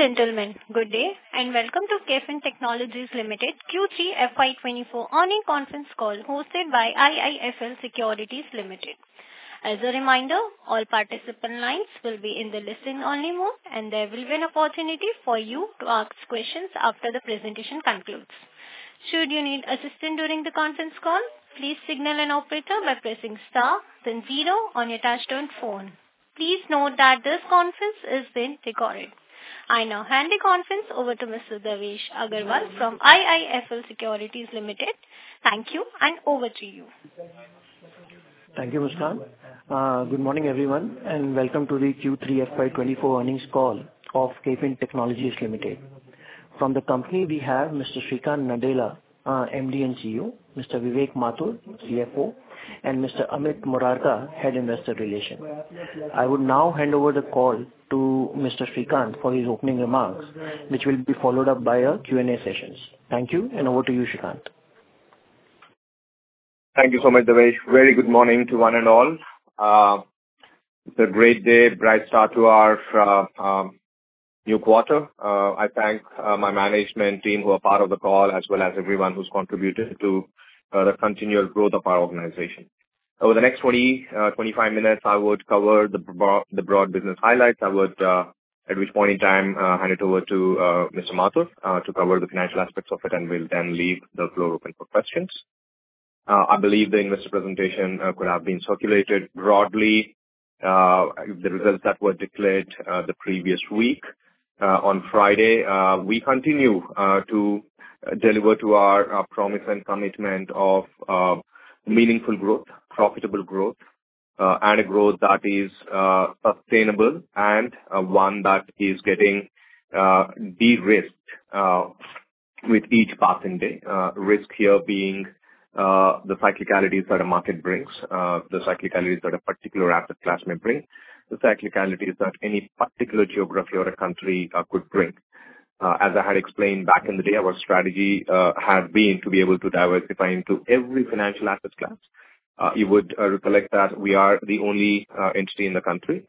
Ladies and gentlemen. Good, and welcome to KFin Technologies Limited Q3 FY 2024 Earnings Conference Call, hosted by IIFL Securities Limited. As a reminder, all participant lines will be in the listen-only mode, and there will be an opportunity for you to ask questions after the presentation concludes. Should you need assistance during the conference call, please signal an operator by pressing star then zero on your touchtone phone. Please note that this conference is being recorded. I now hand the conference over to Mr. Devesh Agarwal from IIFL Securities Limited. Thank you, and over to you. Thank you, Muskan. Good morning, everyone, and welcome to the Q3 FY 2024 earnings call of KFin Technologies Limited. From the company, we have Mr. Sreekanth Nadella, MD and CEO, Mr. Vivek Mathur, CFO, and Mr. Amit Murarka, Head Investor Relations. I would now hand over the call to Mr. Sreekanth for his opening remarks, which will be followed up by a Q&A sessions. Thank you, and over to you, Sreekanth. Thank you so much, Devesh. Very good morning to one and all. It's a great day, bright start to our new quarter. I thank my management team who are part of the call, as well as everyone who's contributed to the continuous growth of our organization. Over the next 25 minutes, I would cover the broad business highlights. I would, at which point in time, hand it over to Mr. Mathur to cover the financial aspects of it, and we'll then leave the floor open for questions. I believe the investor presentation could have been circulated broadly, the results that were declared the previous week on Friday. We continue to deliver to our promise and commitment of meaningful growth, profitable growth, and a growth that is sustainable and one that is getting de-risked with each passing day. Risk here being the cyclicalities that a market brings, the cyclicalities that a particular asset class may bring, the cyclicalities that any particular geography or a country could bring. As I had explained back in the day, our strategy had been to be able to diversify into every financial asset class. You would recollect that we are the only entity in the country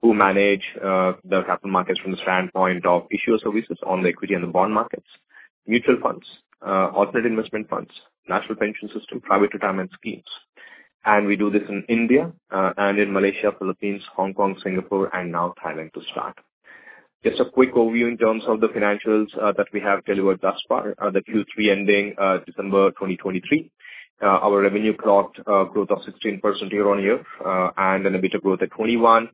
who manage the capital markets from the standpoint of issuer services on the equity and the bond markets, mutual funds, Alternate Investment Funds, National Pension System, Private Retirement Schemes. We do this in India and in Malaysia, Philippines, Hong Kong, Singapore, and now Thailand to start. Just a quick overview in terms of the financials that we have delivered thus far. The Q3 ending December 2023, our revenue clocked growth of 16% year-over-year and an EBITDA growth at 21%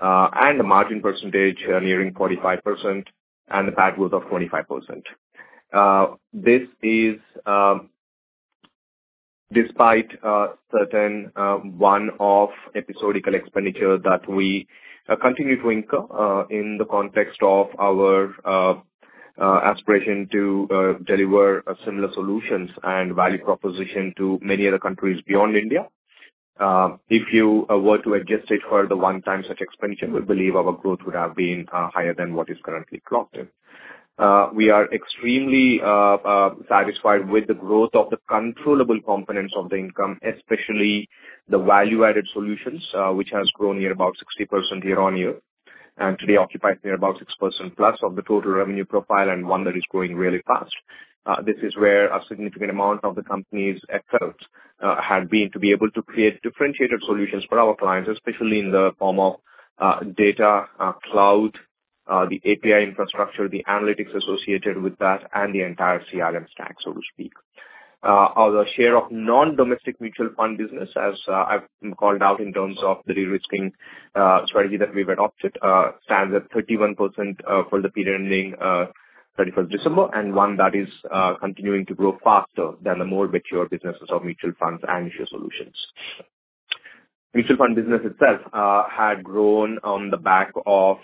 and a margin percentage nearing 45% and the PAT growth of 25%. This is despite certain one-off episodic expenditure that we continue to incur in the context of our aspiration to deliver similar solutions and value proposition to many other countries beyond India. If you were to adjust it for the one-time such expenditure, we believe our growth would have been higher than what is currently clocked in. We are extremely satisfied with the growth of the controllable components of the income, especially the value-added solutions, which has grown near about 60% year-on-year, and today occupies near about 6% plus of the total revenue profile, and one that is growing really fast. This is where a significant amount of the company's efforts had been to be able to create differentiated solutions for our clients, especially in the form of data, cloud, the API infrastructure, the analytics associated with that, and the entire CRM stack, so to speak. Our share of non-domestic mutual fund business, as I've called out in terms of the de-risking strategy that we've adopted, stands at 31% for the period ending 31st December, and one that is continuing to grow faster than the more mature businesses of mutual funds and Issuer Solutions. Mutual fund business itself had grown on the back of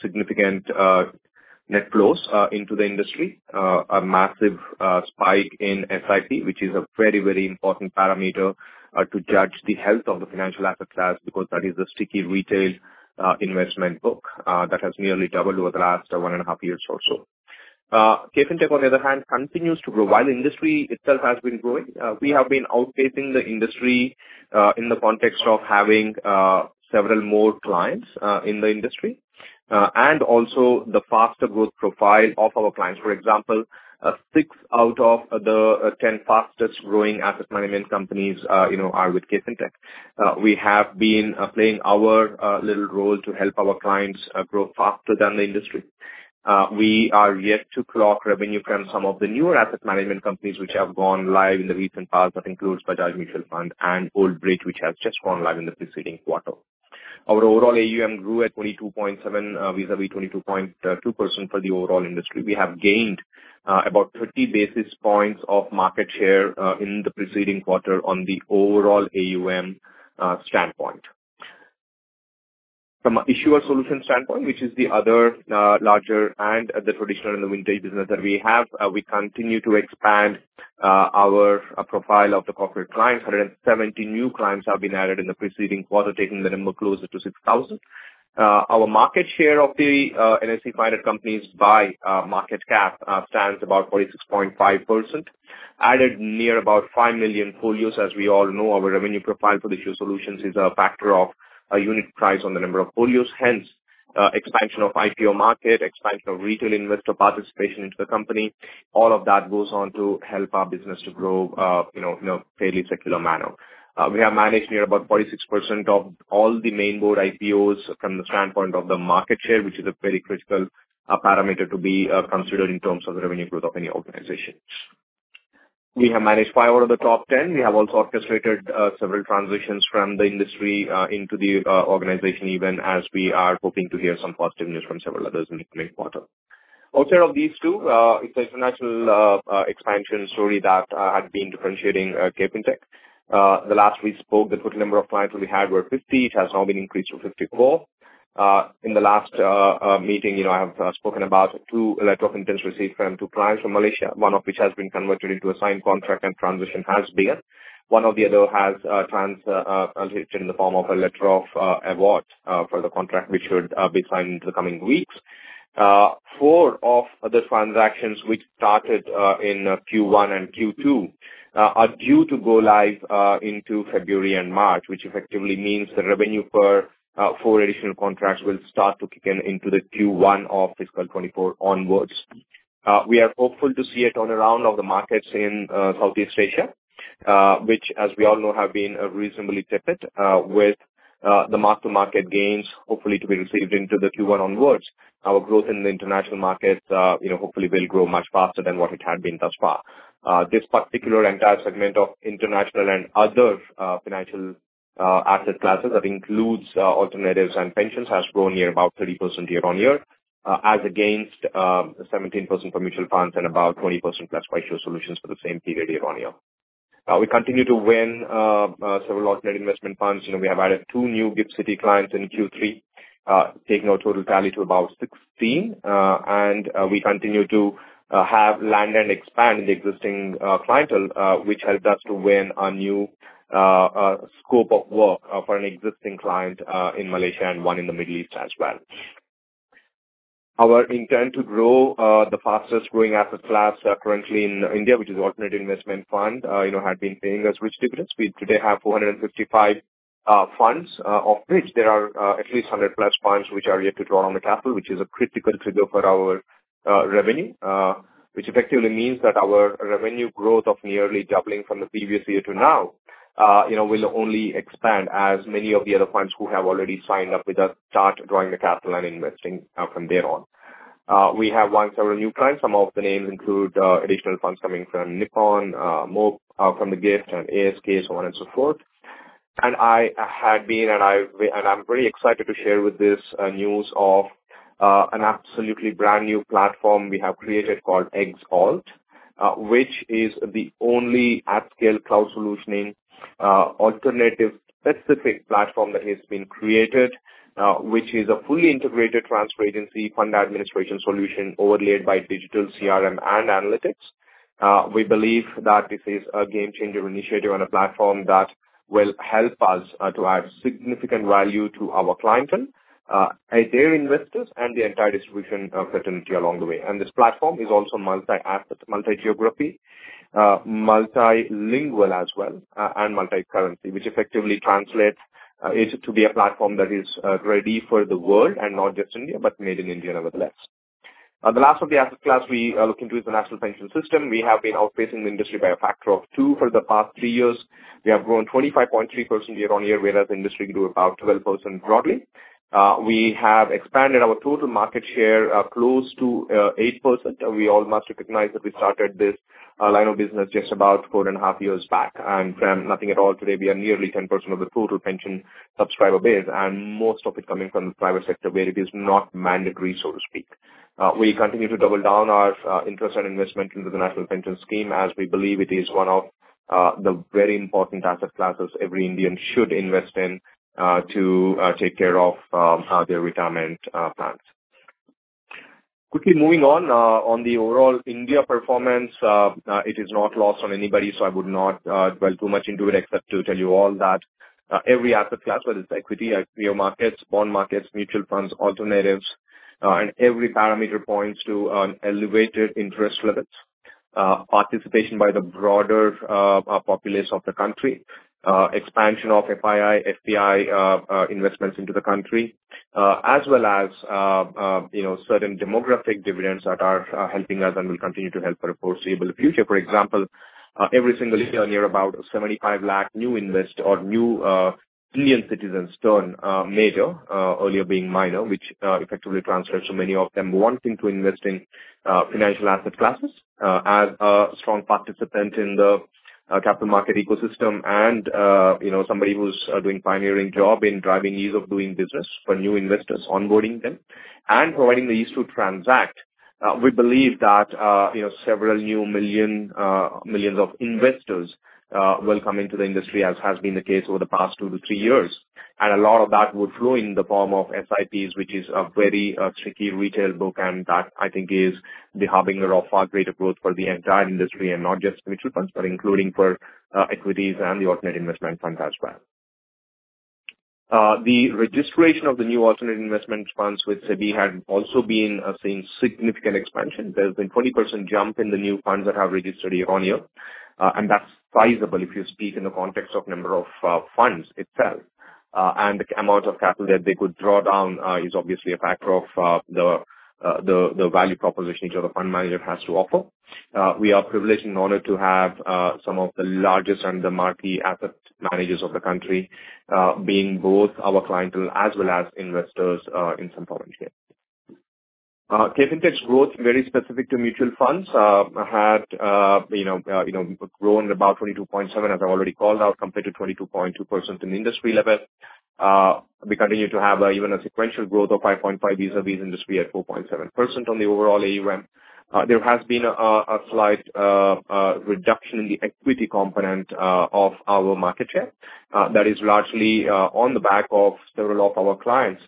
significant net flows into the industry. A massive spike in SIP, which is a very, very important parameter to judge the health of the financial asset class, because that is the sticky retail investment book that has nearly doubled over the last one and a half years or so. KFintech, on the other hand, continues to grow. While the industry itself has been growing, we have been outpacing the industry, in the context of having, several more clients, in the industry, and also the faster growth profile of our clients. For example, six out of the ten fastest growing asset management companies, you know, are with KFintech. We have been, playing our, little role to help our clients, grow faster than the industry. We are yet to clock revenue from some of the newer asset management companies which have gone live in the recent past. That includes Bajaj Mutual Fund and Old Bridge, which has just gone live in the preceding quarter. Our overall AUM grew at 22.7% vis-a-vis 22.2% for the overall industry. We have gained about 30 basis points of market share in the preceding quarter on the overall AUM standpoint. From an Issuer Solutions standpoint, which is the other larger and the traditional and the vintage business that we have, we continue to expand our profile of the corporate clients. 170 new clients have been added in the preceding quarter, taking the number closer to 6,000. Our market share of the NSE-listed companies by market cap stands about 46.5%. Added near about 5 million folios. As we all know, our revenue profile for the Issuer Solutions is a factor of a unit price on the number of folios. Hence, expansion of IPO Market, expansion of retail investor participation into the company, all of that goes on to help our business to grow, you know, in a fairly secular manner. We have managed near about 46% of all the Main Board IPOs from the standpoint of the market share, which is a very critical parameter to be considered in terms of the revenue growth of any organizations. We have managed 5 out of the top 10. We have also orchestrated several transitions from the industry into the organization, even as we are hoping to hear some positive news from several others in the coming quarter. Outside of these two, it's the international expansion story that had been differentiating KFintech. The last we spoke, the total number of clients we had were 50. It has now been increased to 54. In the last meeting, you know, I have spoken about two letters of intent received from two clients from Malaysia, one of which has been converted into a signed contract and transition has begun. One of the other has transferred in the form of a letter of award for the contract, which should be signed in the coming weeks. Four of the transactions which started in Q1 and Q2 are due to go live into February and March, which effectively means the revenue for four additional contracts will start to kick in into the Q1 of fiscal 2024 onwards. We are hopeful to see it on a round of the markets in Southeast Asia, which, as we all know, have been reasonably tepid, with the mark-to-market gains hopefully to be received into the Q1 onwards. Our growth in the international markets, you know, hopefully will grow much faster than what it had been thus far. This particular entire segment of international and other financial asset classes, that includes alternatives and pensions, has grown near about 30% year-on-year, as against 17% for mutual funds and about 20%+ for issuer solutions for the same period year-on-year. We continue to win several alternative investment funds. You know, we have added two new GIFT City clients in Q3, taking our total tally to about 16. We continue to land and expand the existing clientele, which helped us to win a new scope of work for an existing client in Malaysia and one in the Middle East as well. Our intent to grow the fastest-growing asset class currently in India, which is Alternate Investment Fund, you know, had been paying us rich dividends. We today have 455 funds, of which there are at least 100+ funds which are yet to draw on the capital, which is a critical trigger for our revenue, which effectively means that our revenue growth of nearly doubling from the previous year to now, you know, will only expand as many of the other funds who have already signed up with us start drawing the capital and investing from there on. We have won several new clients. Some of the names include additional funds coming from Nippon, more from the GIFT and ASK, so on and so forth. I'm very excited to share this news of an absolutely brand-new platform we have created called XAlt, which is the only at-scale cloud solutioning alternative-specific platform that has been created, which is a fully integrated transfer agency fund administration solution overlaid by digital CRM and analytics. We believe that this is a game-changer initiative on a platform that will help us to add significant value to our clientele, their investors, and the entire distribution fraternity along the way. This platform is also multi-asset, multi-geography, multilingual as well, and multi-currency, which effectively translates it to be a platform that is ready for the world, and not just India, but made in India nevertheless. The last of the asset class we are looking to is the National Pension System. We have been outpacing the industry by a factor of 2 for the past 3 years. We have grown 25.3% year-on-year, whereas the industry grew about 12% broadly. We have expanded our total market share close to 8%. We all must recognize that we started this line of business just about four and a half years back, and from nothing at all, today we are nearly 10% of the total pension subscriber base, and most of it coming from the private sector, where it is not mandatory, so to speak. We continue to double down our interest and investment into the National Pension Scheme, as we believe it is one of the very important asset classes every Indian should invest in, to take care of their retirement plans. Quickly moving on, on the overall India performance, it is not lost on anybody, so I would not dwell too much into it, except to tell you all that every asset class, whether it's equity, IPO Markets, bond markets, mutual funds, alternatives, and every parameter points to an elevated interest levels, participation by the broader populace of the country, expansion of FII, FDI investments into the country, as well as, you know, certain demographic dividends that are helping us and will continue to help for the foreseeable future. For example, every single year, near about 75 lakh new investor new Indian citizens turn major, earlier being minor, which effectively translates to many of them wanting to invest in financial asset classes. As a strong participant in the capital market ecosystem and, you know, somebody who's doing pioneering job in driving ease of doing business for new investors, onboarding them, and providing the ease to transact, we believe that, you know, several new million millions of investors will come into the industry, as has been the case over the past two to three years. A lot of that would flow in the form of SIPs, which is a very tricky retail book, and that, I think, is the harbinger of far greater growth for the entire industry, and not just mutual funds, but including for equities and the alternative investment funds as well. The registration of the new alternative investment funds with SEBI had also been seeing significant expansion. There's been a 20% jump in the new funds that have registered year-on-year, and that's sizable if you speak in the context of number of funds itself. And the amount of capital that they could draw down is obviously a factor of the value proposition which the fund manager has to offer. We are privileged and honored to have some of the largest and the marquee asset managers of the country, being both our clientele as well as investors, in some form or shape. KFintech's growth, very specific to mutual funds, had, you know, you know, grown about 22.7, as I already called out, compared to 22.2% in industry level. We continue to have even a sequential growth of 5.5 vis-a-vis industry at 4.7% on the overall AUM. There has been a slight reduction in the equity component of our market share. That is largely on the back of several of our clients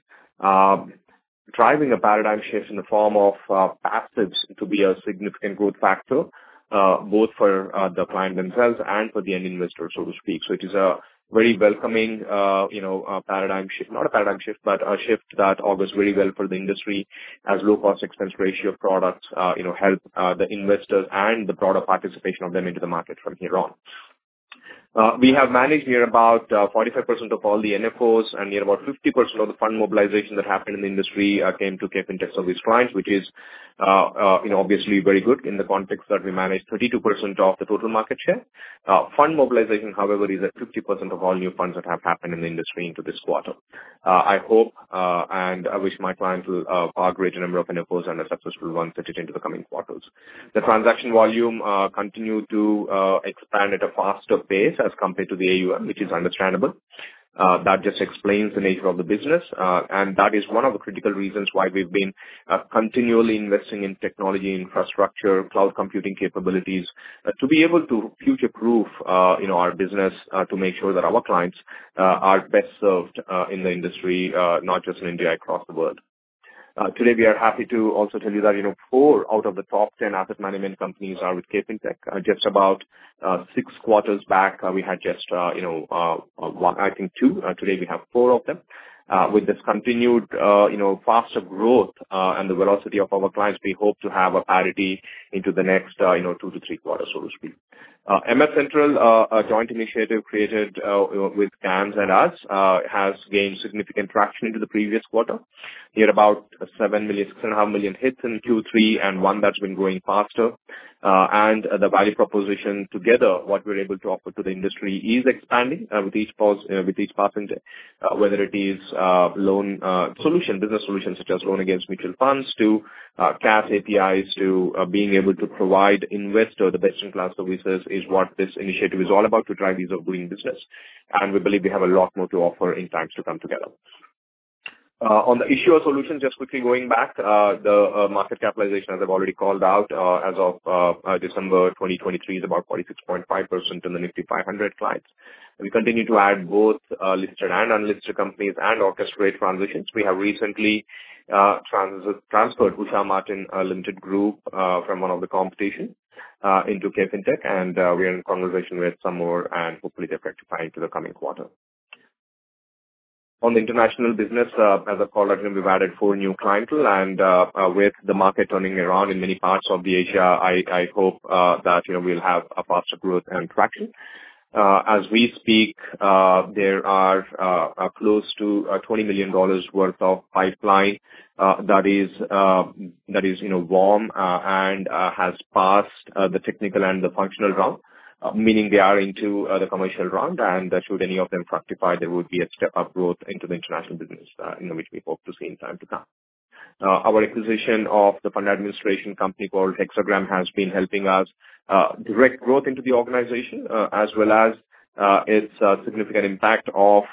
driving a paradigm shift in the form of passive to be a significant growth factor both for the client themselves and for the end investor, so to speak. So it is a very welcoming, you know, paradigm shift. Not a paradigm shift, but a shift that augurs very well for the industry as low-cost expense ratio products, you know, help the investors and the broader participation of them into the market from here on. We have managed here about 45% of all the NFOs, and nearly 50% of the fund mobilization that happened in the industry came to KFintech's service clients, which is, you know, obviously very good in the context that we manage 32% of the total market share. Fund mobilization, however, is at 50% of all new funds that have happened in the industry into this quarter. I hope and I wish my clients will file a greater number of NFOs and a successful one set it into the coming quarters. The transaction volume continued to expand at a faster pace as compared to the AUM, which is understandable. That just explains the nature of the business. And that is one of the critical reasons why we've been continually investing in technology, infrastructure, cloud computing capabilities, to be able to future-proof, you know, our business to make sure that our clients are best served in the industry, not just in India, across the world. Today, we are happy to also tell you that, you know, four out of the top ten asset management companies are with KFintech. Just about, six quarters back, we had just, you know, one, I think two. Today we have four of them. With this continued, you know, faster growth, and the velocity of our clients, we hope to have a parity into the next, you know, two to three quarters, so to speak. MFCentral, a joint initiative created, with CAMS and us, has gained significant traction into the previous quarter. We had about 7 million, 6.5 million hits in Q3, and one that's been growing faster. And the value proposition together, what we're able to offer to the industry is expanding, with each pass, with each passing day, whether it is, loan, solution, business solutions, such as loan against mutual funds to, CAS APIs, to, being able to provide investor the best-in-class services is what this initiative is all about to drive these growing business. And we believe we have a lot more to offer in times to come together. On the issuer solutions, just quickly going back, the market capitalization, as I've already called out, as of December 2023, is about 46.5% in the Nifty 500 clients. We continue to add both, listed and unlisted companies and orchestrate transitions. We have recently transferred Usha Martin Limited from one of the competitors into KFintech, and we are in conversation with some more, and hopefully they fructify in the coming quarter. On the international business, as I called it, we've added four new clientele, and with the market turning around in many parts of Asia, I hope that, you know, we'll have a faster growth and traction. As we speak, there are close to $20 million worth of pipeline that is, that is, you know, warm, and has passed the technical and the functional round, meaning they are into the commercial round, and should any of them fructify, there would be a step-up growth into the international business, in which we hope to see in time to come. Our acquisition of the fund administration company called Hexagram has been helping us direct growth into the organization, as well as its significant impact of,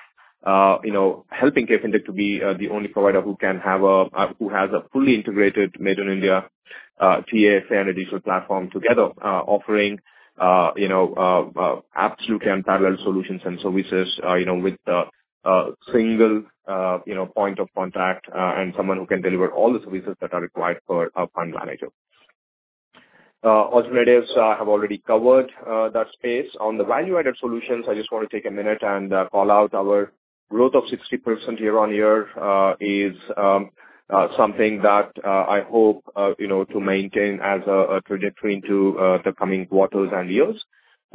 you know, helping KFintech to be the only provider who can have a, who has a fully integrated made in India TA and FA platform together, offering, you know, absolute and parallel solutions and services, you know, with the single, you know, point of contact, and someone who can deliver all the services that are required for a fund manager. Alternatives, I have already covered that space. On the value-added solutions, I just want to take a minute and call out our growth of 60% year-on-year is something that I hope you know to maintain as a trajectory into the coming quarters and years.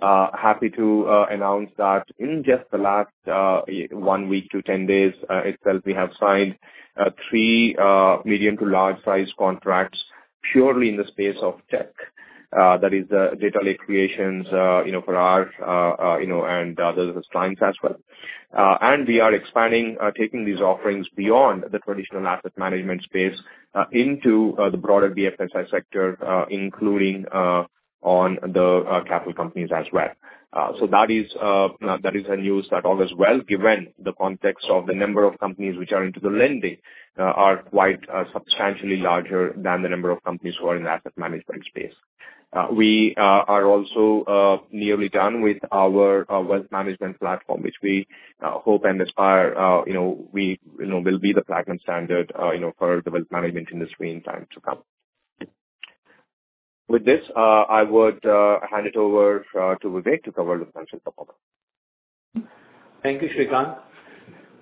Happy to announce that in just the last 1 week to 10 days itself, we have signed 3 medium to large size contracts purely in the space of tech. That is the data lake creations you know for our you know and the other clients as well. And we are expanding taking these offerings beyond the traditional asset management space into the broader BFSI sector including on the capital companies as well. So that is a news that all is well, given the context of the number of companies which are into the lending, are quite substantially larger than the number of companies who are in the asset management space. We are also nearly done with our wealth management platform, which we hope and aspire, you know, we, you know, will be the platinum standard, you know, for the wealth management industry in time to come. ...With this, I would hand it over to Vivek to cover the financial performance. Thank you, Sreekanth.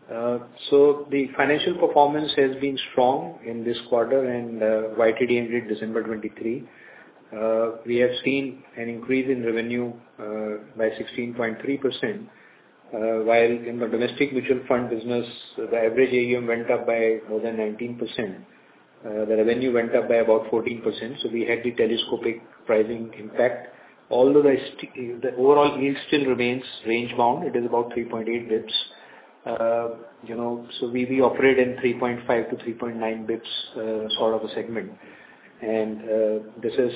The financial performance has been strong in this quarter and, YTD ended December 2023. We have seen an increase in revenue by 16.3%, while in the domestic mutual fund business, the average AUM went up by more than 19%. The revenue went up by about 14%, so we had the telescopic pricing impact. Although the overall yield still remains range bound, it is about 3.8 basis points. You know, so we operate in 3.5–3.9 basis points, sort of a segment. And this is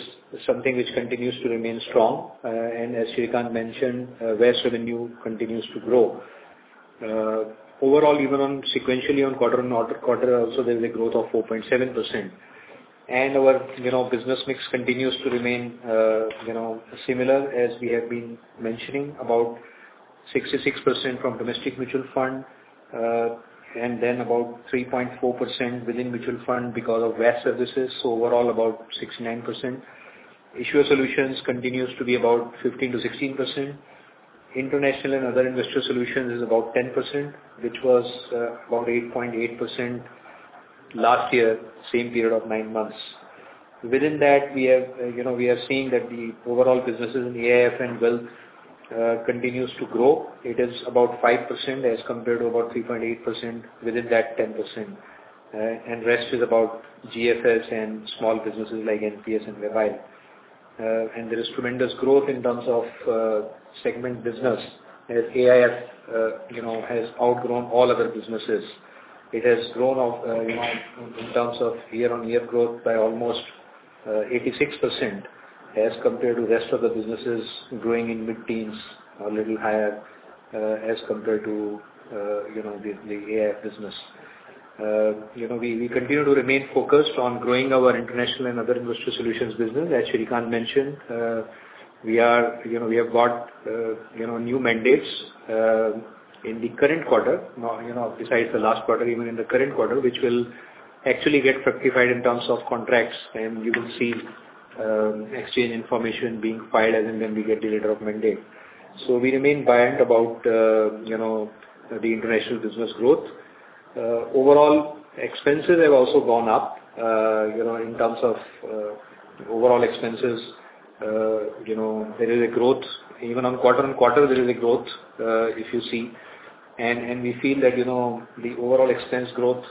something which continues to remain strong. And as Sreekanth mentioned, where revenue continues to grow. Overall, even sequentially on quarter-on-quarter also, there's a growth of 4.7%. Our, you know, business mix continues to remain, you know, similar as we have been mentioning, about 66% from domestic mutual fund, and then about 3.4% within mutual fund because of wealth services, so overall about 69%. Issuer solutions continues to be about 15%–16%. International and other investor solutions is about 10%, which was, you know, about 8.8% last year, same period of 9 months. Within that, we have, you know, we are seeing that the overall businesses in AIF and wealth, continues to grow. It is about 5% as compared to about 3.8% within that 10%. And rest is about GFS and small businesses like NPS and Mobile. And there is tremendous growth in terms of, segment business. As AIF, you know, has outgrown all other businesses. It has grown of, you know, in terms of year-on-year growth by almost, 86%, as compared to the rest of the businesses growing in mid-teens or little higher, as compared to, you know, the, the AIF business. You know, we, we continue to remain focused on growing our international and other investor solutions business. As Sreekanth mentioned, you know, we are, you know, we have got, you know, new mandates, in the current quarter. Now, you know, besides the last quarter, even in the current quarter, which will actually get fortified in terms of contracts, and you will see, exchange information being filed, and then we get the letter of mandate. So we remain buoyant about, you know, the international business growth. Overall, expenses have also gone up, you know, in terms of, overall expenses, you know, there is a growth. Even on quarter-on-quarter, there is a growth, if you see, and we feel that, you know, the overall expense growth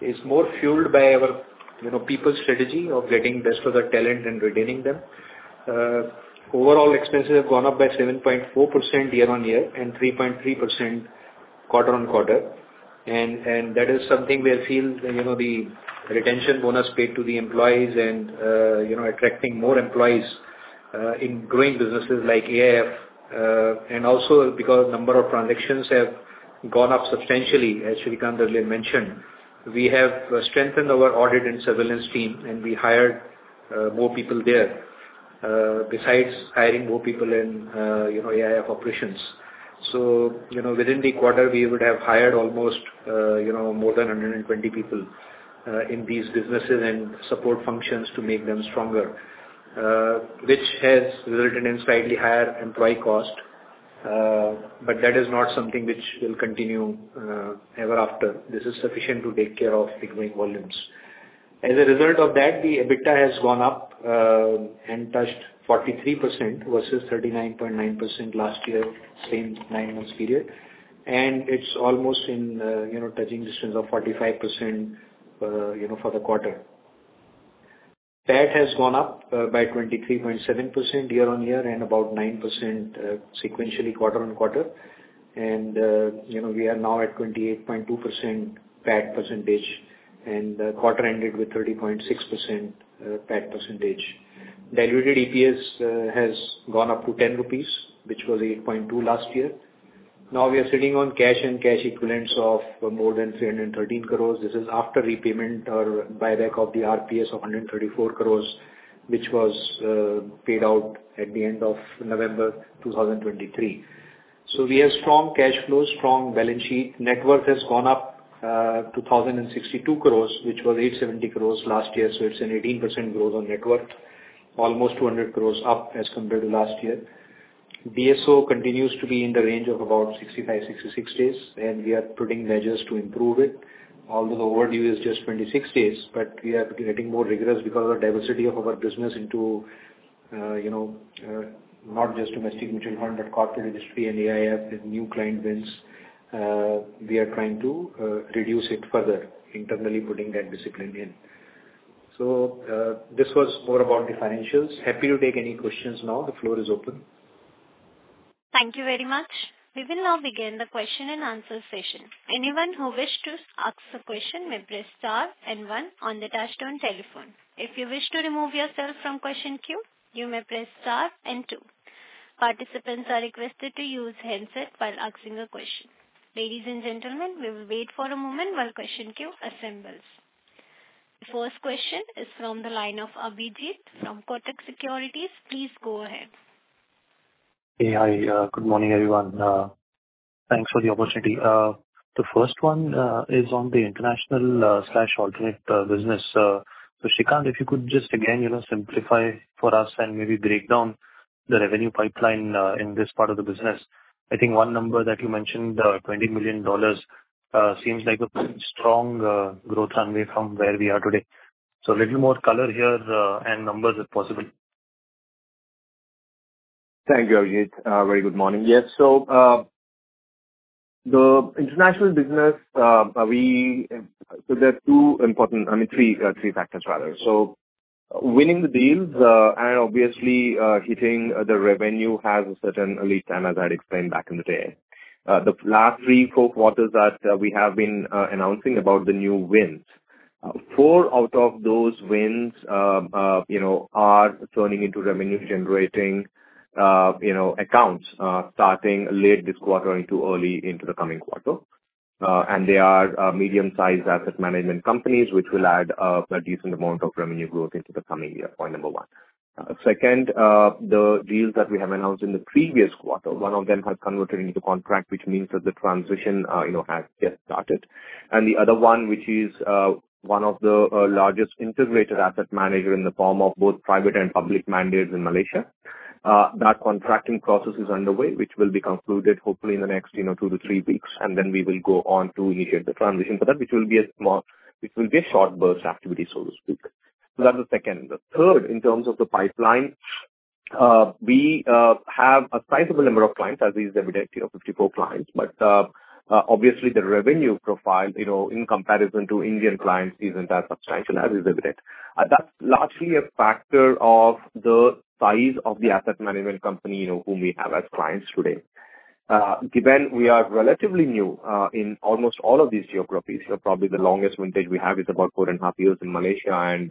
is more fueled by our, you know, people strategy of getting best of the talent and retaining them. Overall expenses have gone up by 7.4% year-on-year and 3.3% quarter-on-quarter. And that is something we feel, you know, the retention bonus paid to the employees and, you know, attracting more employees, in growing businesses like AIF, and also because number of transactions have gone up substantially, as Sreekanth earlier mentioned. We have strengthened our audit and surveillance team, and we hired more people there, besides hiring more people in, you know, AIF operations. So, you know, within the quarter, we would have hired almost, you know, more than 120 people in these businesses and support functions to make them stronger, which has resulted in slightly higher employee cost, but that is not something which will continue, ever after. This is sufficient to take care of the growing volumes. As a result of that, the EBITDA has gone up and touched 43% versus 39.9% last year, same nine months period. It's almost in, you know, touching distances of 45%, you know, for the quarter. That has gone up by 23.7% year-on-year and about 9%, sequentially quarter-on-quarter. And, you know, we are now at 28.2% PAT percentage, and the quarter ended with 30.6%, PAT percentage. Diluted EPS has gone up to 10 rupees, which was 8.2 last year. Now, we are sitting on cash and cash equivalents of more than 313 crore. This is after repayment or buyback of the RPS of 134 crore, which was paid out at the end of November 2023. So we have strong cash flow, strong balance sheet. Net worth has gone up to 1,062 crore, which was 870 crore last year, so it's an 18% growth on net worth, almost 200 crore up as compared to last year. DSO continues to be in the range of about 65–66 days, and we are putting measures to improve it. Although the overdue is just 26 days, but we are getting more rigorous because of the diversity of our business into, you know, not just domestic mutual fund, but corporate industry and AIF with new client wins. We are trying to reduce it further, internally putting that discipline in. This was more about the financials. Happy to take any questions now. The floor is open. Thank you very much. We will now begin the question and answer session. Anyone who wish to ask a question may press star and one on the touch-tone telephone. If you wish to remove yourself from question queue, you may press star and two. Participants are requested to use handset while asking a question. Ladies and gentlemen, we will wait for a moment while question queue assembles. The first question is from the line of Abhijeet from Kotak Securities. Please go ahead.... Hey, hi, good morning, everyone. Thanks for the opportunity. The first one is on the international slash alternate business. So Sreekanth, if you could just again, you know, simplify for us and maybe break down the revenue pipeline in this part of the business. I think one number that you mentioned, $20 million, seems like a pretty strong growth runway from where we are today. So a little more color here and numbers, if possible. Thank you, Abhijit. Very good morning. Yes. So, the international business, so there are two important, I mean, three factors rather. So winning the deals, and obviously, hitting the revenue has a certain lead time, as I explained back in the day. The last three, four quarters that, we have been, announcing about the new wins. Four out of those wins, you know, are turning into revenue-generating, you know, accounts, starting late this quarter into early into the coming quarter. And they are, medium-sized asset management companies, which will add, a decent amount of revenue growth into the coming year. Point number one. Second, the deals that we have announced in the previous quarter, one of them has converted into contract, which means that the transition, you know, has just started. And the other one, which is one of the largest integrated asset manager in the form of both private and public mandates in Malaysia. That contracting process is underway, which will be concluded hopefully in the next, you know, 2-3 weeks, and then we will go on to initiate the transition for that, which will be a short burst activity, so to speak. So that's the second. The third, in terms of the pipeline, we have a sizable number of clients, as is evident, you know, 54 clients. But obviously the revenue profile, you know, in comparison to Indian clients, isn't that substantial, as is evident. That's largely a factor of the size of the asset management company, you know, whom we have as clients today. Given we are relatively new in almost all of these geographies, so probably the longest vintage we have is about 4.5 years in Malaysia and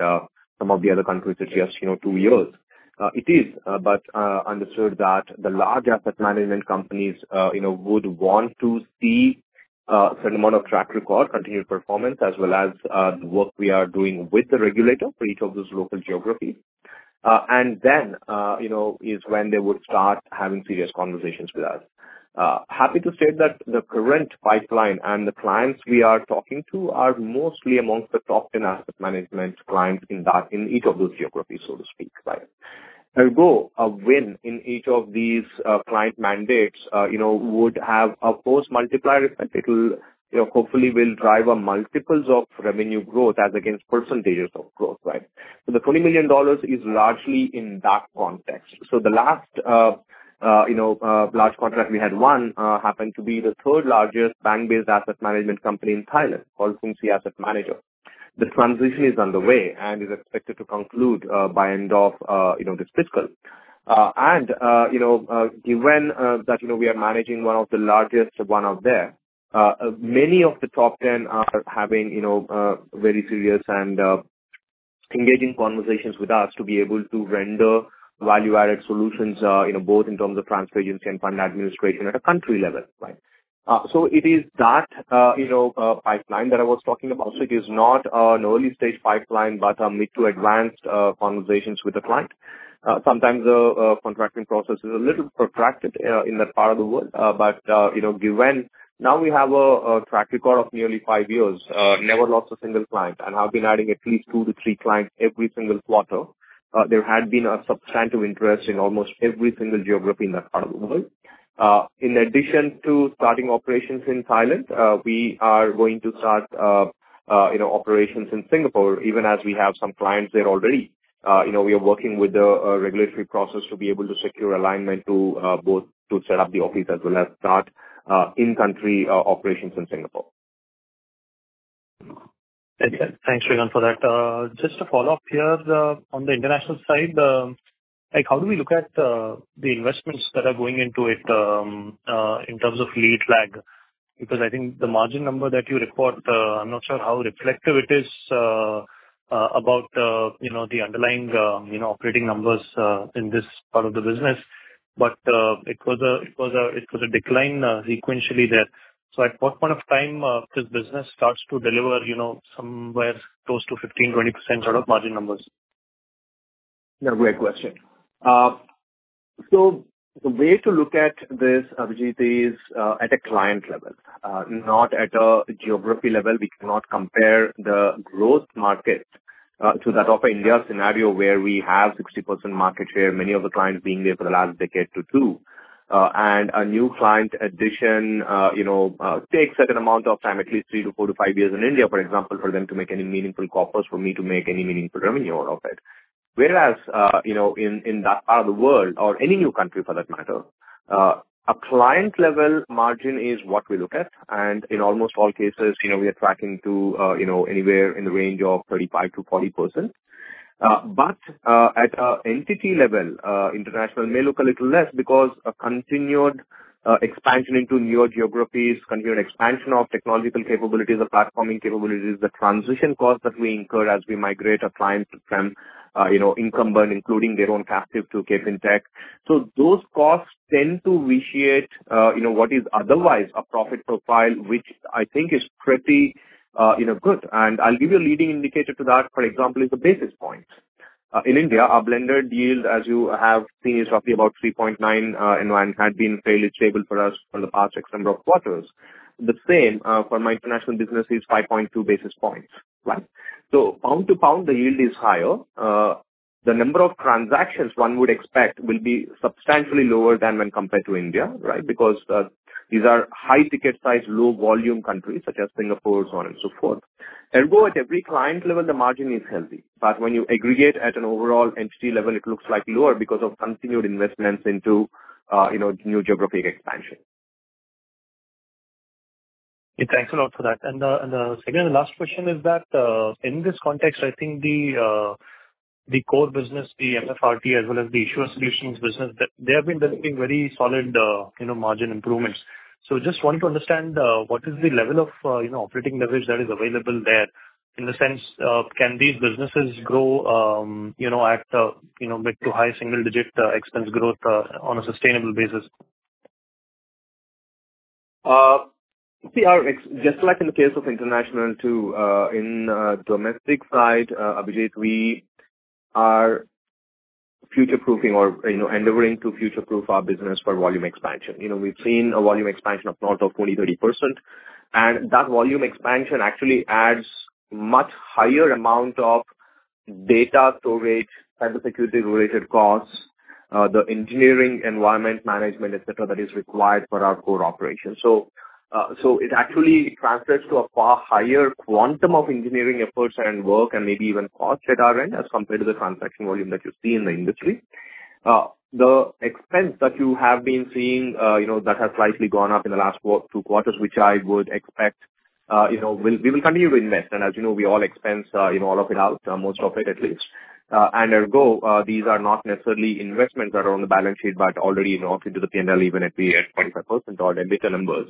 some of the other countries it's just, you know, two years. It is but understood that the large asset management companies, you know, would want to see certain amount of track record, continued performance, as well as the work we are doing with the regulator for each of those local geographies. And then, you know, is when they would start having serious conversations with us. Happy to state that the current pipeline and the clients we are talking to are mostly among the top 10 asset management clients in that, in each of those geographies, so to speak, right? Although a win in each of these client mandates, you know, would have a post-multiplier effect. It'll, you know, hopefully will drive on multiples of revenue growth as against percentages of growth, right? So the $20 million is largely in that context. So the last, you know, large contract we had won happened to be the third-largest bank-based asset management company in Thailand, called Krungsri Asset Management. The transition is underway and is expected to conclude by end of, you know, this fiscal. You know, given that, you know, we are managing one of the largest one out there, many of the top 10 are having, you know, very serious and engaging conversations with us to be able to render value-added solutions, you know, both in terms of transfer agency and fund administration at a country level, right? So it is that, you know, pipeline that I was talking about. So it is not an early-stage pipeline, but a mid- to advanced conversations with the client. Sometimes the contracting process is a little protracted in that part of the world. But, you know, given now we have a track record of nearly five years, never lost a single client, and have been adding at least two to three clients every single quarter. There had been a substantial interest in almost every single geography in that part of the world. In addition to starting operations in Thailand, we are going to start, you know, operations in Singapore, even as we have some clients there already. You know, we are working with the regulatory process to be able to secure alignment to both to set up the office as well as start in-country operations in Singapore. Thanks, Sreekanth, for that. Just to follow up here, on the international side, like, how do we look at, the investments that are going into it, in terms of lead lag? Because I think the margin number that you report, I'm not sure how reflective it is, about, you know, the underlying, you know, operating numbers, in this part of the business. But, it was a decline, sequentially there. So at what point of time, this business starts to deliver, you know, somewhere close to 15%-20% sort of margin numbers? Yeah, great question. So the way to look at this, Abhijit, is, at a client level, not at a geography level. We cannot compare the growth market to that of India scenario, where we have 60% market share, many of the clients being there for the last decade to two. And a new client addition, you know, takes certain amount of time, at least 3–4–5 years in India, for example, for them to make any meaningful corpus, for me to make any meaningful revenue out of it. Whereas, you know, in, in that part of the world, or any new country for that matter, a client-level margin is what we look at, and in almost all cases, you know, we are tracking to, you know, anywhere in the range of 35%–40%. But at an entity level, international may look a little less because of continued expansion into newer geographies, continued expansion of technological capabilities or platforming capabilities, the transition costs that we incur as we migrate a client from, you know, incumbent, including their own captive, to KFintech. So those costs tend to vitiate, you know, what is otherwise a profit profile, which I think is pretty good. And I'll give you a leading indicator to that, for example, is the basis points. In India, our blended yield, as you have seen, is roughly about 3.9, and it has been fairly stable for us for the past X number of quarters. The same for my international business is 5.2 basis points, right? So pound for pound, the yield is higher. The number of transactions one would expect will be substantially lower than when compared to India, right? Because these are high ticket size, low volume countries such as Singapore, so on and so forth. Ergo, at every client level, the margin is healthy. But when you aggregate at an overall entity level, it looks like lower because of continued investments into, you know, new geographic expansion. Yeah, thanks a lot for that. And the second and last question is that, in this context, I think the core business, the MFRT, as well as the issuer solutions business, they have been delivering very solid, you know, margin improvements. So just want to understand, what is the level of, you know, operating leverage that is available there, in the sense of, can these businesses grow, you know, at, you know, mid- to high-single-digit expense growth, on a sustainable basis? We are just like in the case of international too, in, domestic side, Abhijit, we are future-proofing or, you know, endeavoring to future-proof our business for volume expansion. You know, we've seen a volume expansion of north of 20%–30%, and that volume expansion actually adds much higher amount of data storage, cybersecurity-related costs, the engineering, environment management, et cetera, that is required for our core operations. So, so it actually translates to a far higher quantum of engineering efforts and work and maybe even costs that are in as compared to the transaction volume that you see in the industry. The expense that you have been seeing, you know, that has slightly gone up in the last two quarters, which I would expect, you know, we, we will continue to invest. As you know, we all expense, you know, all of it out, most of it at least. Ergo, these are not necessarily investments that are on the balance sheet, but already, you know, into the PNL, even if we are at 25% or EBITDA numbers.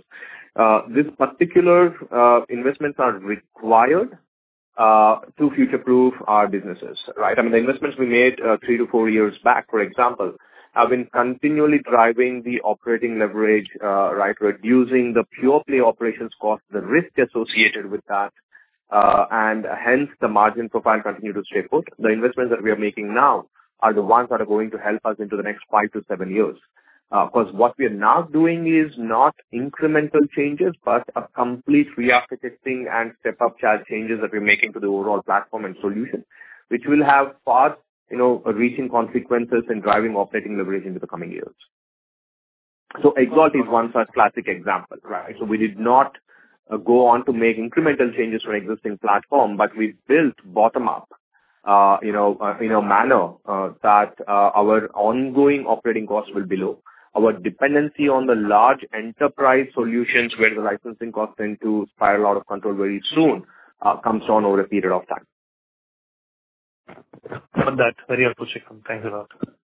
These particular investments are required to future-proof our businesses, right? I mean, the investments we made, 3–4 years back, for example, have been continually driving the operating leverage, right? Reducing the pure play operations cost, the risk associated with that, and hence the margin profile continue to stay put. The investments that we are making now are the ones that are going to help us into the next 5–7 years. Because what we are now doing is not incremental changes, but a complete re-architecting and step-up charge changes that we're making to the overall platform and solution, which will have far, you know, reaching consequences in driving operating leverage into the coming years. So XAlt is one such classic example, right? So we did not go on to make incremental changes to our existing platform, but we built bottom up, you know, in a manner that our ongoing operating costs will be low. Our dependency on the large enterprise solutions, where the licensing costs tend to spiral out of control very soon, comes down over a period of time. Well, that's very appreciated. Thank you very much.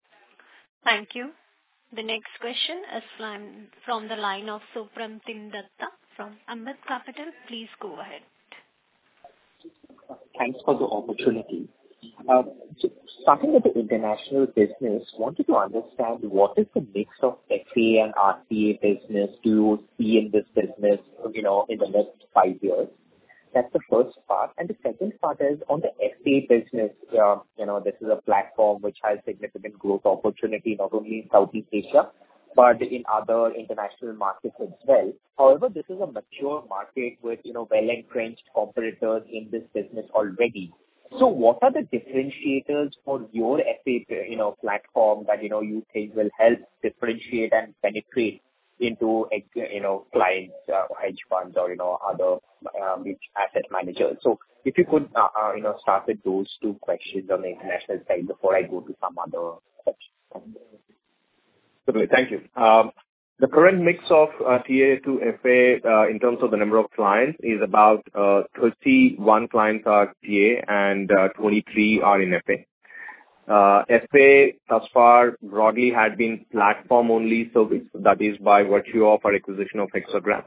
Thank you. The next question is from the line of Supratim Datta from Ambit Capital. Please go ahead. Thanks for the opportunity. So starting with the international business, wanted to understand what is the mix of FA and RCA business do you see in this business, you know, in the next five years? That's the first part. And the second part is on the FA business. You know, this is a platform which has significant growth opportunity, not only in Southeast Asia, but in other international markets as well. However, this is a mature market with, you know, well-entrenched operators in this business already. So what are the differentiators for your FA, you know, platform that, you know, you think will help differentiate and penetrate into ex- you know, clients, hedge funds or, you know, other, asset managers? So if you could, you know, start with those two questions on the international side before I go to some other questions. Thank you. The current mix of TA to FA, in terms of the number of clients is about 31 clients are TA and 23 are in FA. FA thus far broadly had been platform-only service. That is by virtue of our acquisition of Hexagram.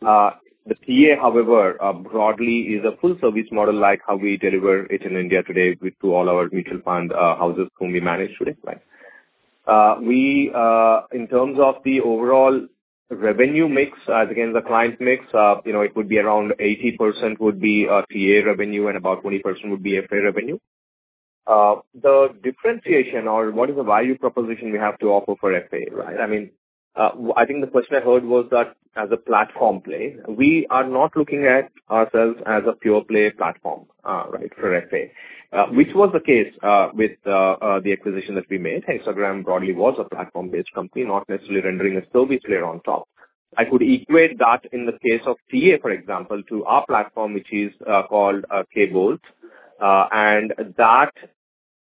The TA, however, broadly is a full service model, like how we deliver it in India today with to all our mutual fund houses whom we manage today, right? We, in terms of the overall revenue mix, as again, the client mix, you know, it would be around 80% would be TA revenue and about 20% would be FA revenue. The differentiation or what is the value proposition we have to offer for FA, right? I mean, I think the question I heard was that as a platform play, we are not looking at ourselves as a pure play platform, right, for FA. Which was the case with the acquisition that we made. Hexagram broadly was a platform-based company, not necessarily rendering a service layer on top. I could equate that in the case of TA, for example, to our platform, which is called K-Bolt, and that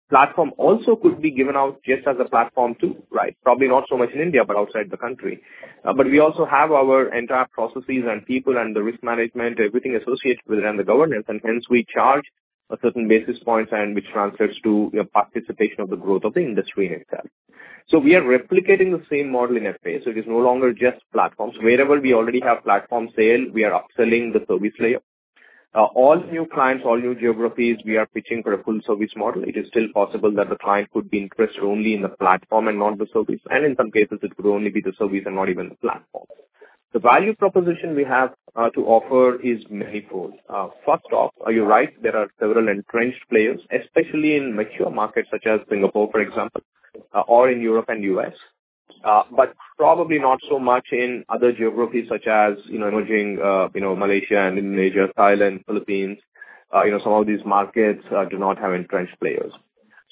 platform also could be given out just as a platform, too, right? Probably not so much in India, but outside the country. But we also have our entire processes and people and the risk management, everything associated with it and the governance, and hence we charge a certain basis points and which translates to a participation of the growth of the industry itself. So we are replicating the same model in FA. So it is no longer just platforms. Wherever we already have platform sale, we are upselling the service layer. All new clients, all new geographies, we are pitching for a full service model. It is still possible that the client could be interested only in the platform and not the service, and in some cases it could only be the service and not even the platform. The value proposition we have to offer is manifold. First off, you're right, there are several entrenched players, especially in mature markets such as Singapore, for example, or in Europe and U.S. But probably not so much in other geographies such as, you know, emerging, you know, Malaysia and Indonesia, Thailand, Philippines. You know, some of these markets do not have entrenched players.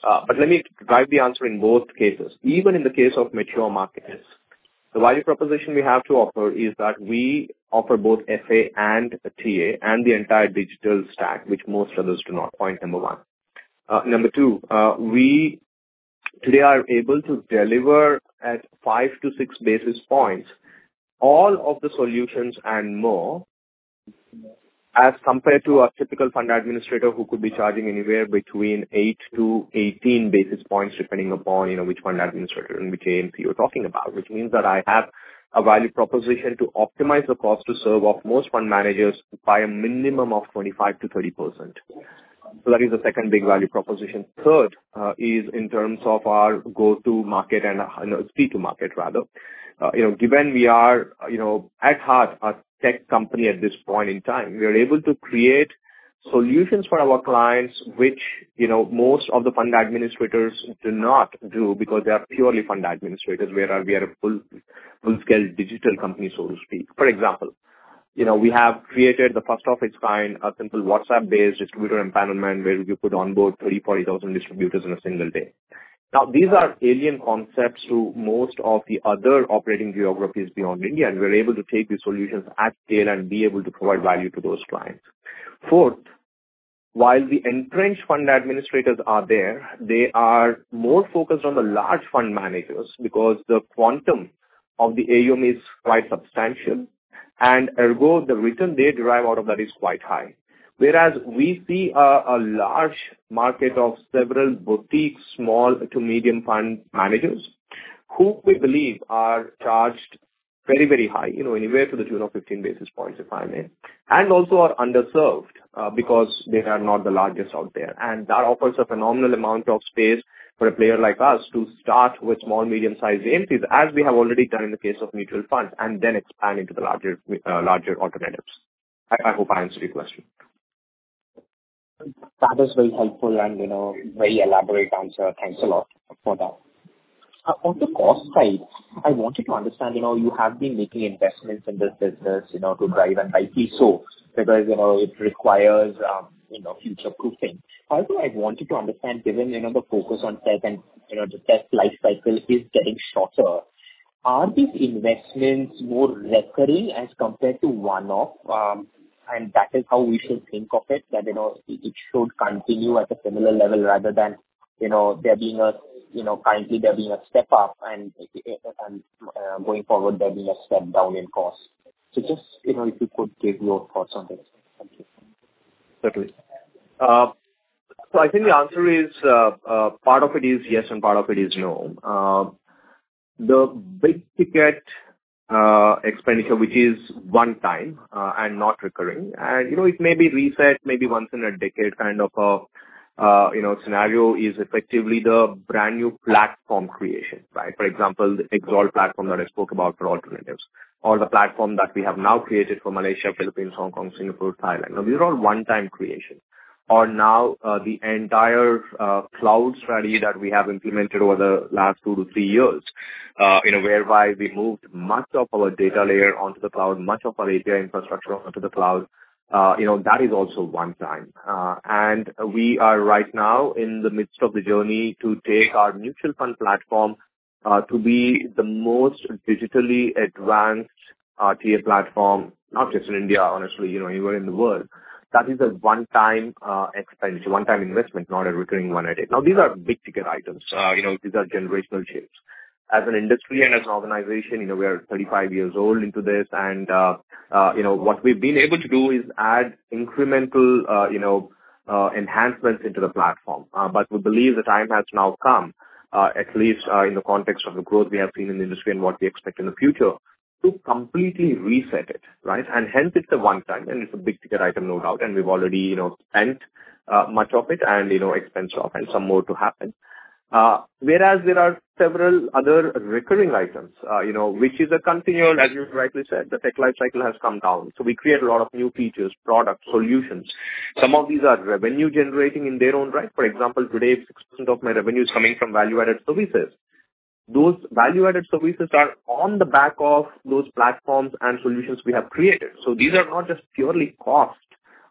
But let me drive the answer in both cases, even in the case of mature markets. The value proposition we have to offer is that we offer both FA and TA and the entire digital stack, which most others do not, point number one. Number two, we today are able to deliver at 5–6 basis points all of the solutions and more, as compared to a typical fund administrator who could be charging anywhere between 8-18 basis points, depending upon, you know, which fund administrator and which AMP you're talking about. Which means that I have a value proposition to optimize the cost to serve of most fund managers by a minimum of 25%–30%. So that is the second big value proposition. Third, is in terms of our go-to market and, you know, speed to market, rather. You know, given we are, you know, at heart, a tech company at this point in time, we are able to create solutions for our clients, which, you know, most of the fund administrators do not do because they are purely fund administrators, whereas we are a full, full-scale digital company, so to speak. For example, you know, we have created the first of its kind, a simple WhatsApp-based distributor empowerment, where we could onboard 340,000 distributors in a single day. Now, these are alien concepts to most of the other operating geographies beyond India, and we're able to take these solutions at scale and be able to provide value to those clients. Fourth, while the entrenched fund administrators are there, they are more focused on the large fund managers because the quantum of the AUM is quite substantial, and ergo, the return they derive out of that is quite high. Whereas we see a large market of several boutique, small to medium fund managers, who we believe are charged very, very high, you know, anywhere to the tune of 15 basis points, if I may. And also are underserved because they are not the largest out there. And that offers a phenomenal amount of space for a player like us to start with small, medium-sized AMCs, as we have already done in the case of mutual funds, and then expand into the larger, larger alternatives. I hope I answered your question. That is very helpful and, you know, very elaborate answer. Thanks a lot for that. On the cost side, I wanted to understand, you know, you have been making investments in this business, you know, to drive and rightly so, because, you know, it requires, you know, future-proofing. Also, I wanted to understand, given, you know, the focus on tech and, you know, the tech life cycle is getting shorter, are these investments more recurring as compared to one-off? And that is how we should think of it, that, you know, it, it should continue at a similar level rather than, you know, there being a, you know, currently there being a step up and going forward, there being a step down in cost. So just, you know, if you could give your thoughts on this. Thank you. Certainly. So I think the answer is, part of it is yes, and part of it is no. The big-ticket expenditure, which is one-time and not recurring, and, you know, it may be reset maybe once in a decade, kind of a scenario is effectively the brand-new platform creation, right? For example, the XAlt Platform that I spoke about for alternatives or the platform that we have now created for Malaysia, Philippines, Hong Kong, Singapore, Thailand. Now, these are all one-time creation. Or now, the entire cloud strategy that we have implemented over the last two to three years, you know, whereby we moved much of our data layer onto the cloud, much of our API infrastructure onto the cloud, you know, that is also one-time. We are right now in the midst of the journey to take our mutual fund platform to be the most digitally advanced TA platform, not just in India, honestly, you know, anywhere in the world. That is a one-time expense, one-time investment, not a recurring one at it. Now, these are big-ticket items. You know, these are generational shifts. As an industry and as an organization, you know, we are 35 years old into this, and you know, what we've been able to do is add incremental you know enhancements into the platform. But we believe the time has now come, at least, in the context of the growth we have seen in the industry and what we expect in the future, to completely reset it, right? Hence, it's a one-time, and it's a big-ticket item, no doubt, and we've already, you know, spent much of it and, you know, expensed off and some more to happen. Whereas there are several other recurring items, you know, which is a continual, as you rightly said, the tech life cycle has come down. So we create a lot of new features, products, solutions. Some of these are revenue-generating in their own right. For example, today, 6% of my revenue is coming from value-added services. Those value-added services are on the back of those platforms and solutions we have created. So these are not just purely cost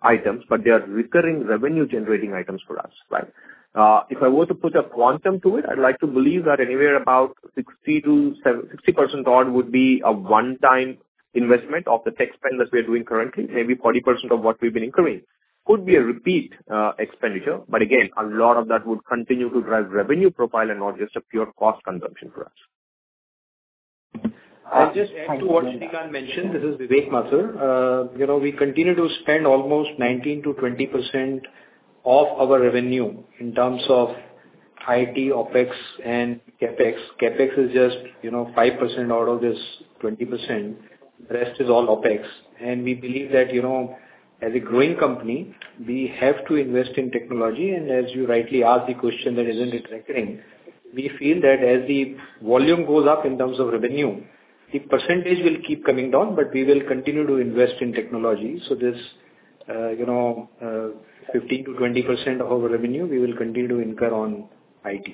items, but they are recurring revenue-generating items for us, right? If I were to put a quantum to it, I'd like to believe that anywhere about 60%–70% odd would be a one-time investment of the tech spend that we are doing currently. Maybe 40% of what we've been incurring could be a repeat expenditure, but again, a lot of that would continue to drive revenue profile and not just a pure cost consumption for us. I'll just add to what Sreekanth mentioned. This is Vivek Mathur. You know, we continue to spend almost 19%–20% of our revenue in terms of IT, OpEx, and CapEx. CapEx is just, you know, 5% out of this 20%, the rest is all OpEx. And we believe that, you know, as a growing company, we have to invest in technology, and as you rightly asked the question, that isn't it recurring? We feel that as the volume goes up in terms of revenue, the percentage will keep coming down, but we will continue to invest in technology. So this, you know, 15%–20% of our revenue, we will continue to incur on IT.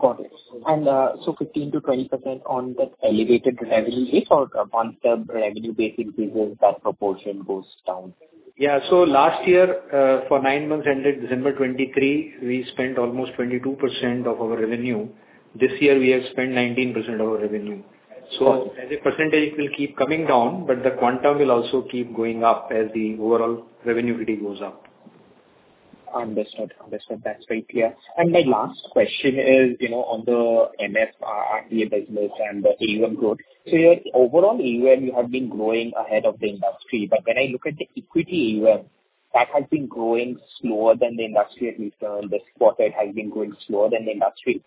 Got it. And, so 15%–20% on the elevated revenue if or upon the revenue base increases, that proportion goes down? Yeah. So last year, for nine months ended December 2023, we spent almost 22% of our revenue. This year, we have spent 19% of our revenue. So as a percentage, it will keep coming down, but the quantum will also keep going up as the overall revenue really goes up. Understood. Understood. That's very clear. My last question is, you know, on the MF RTA business and the AUM growth. So overall, AUM, you have been growing ahead of the industry, but when I look at the equity AUM, that has been growing slower than the industry return, the debt has been growing slower than the industry.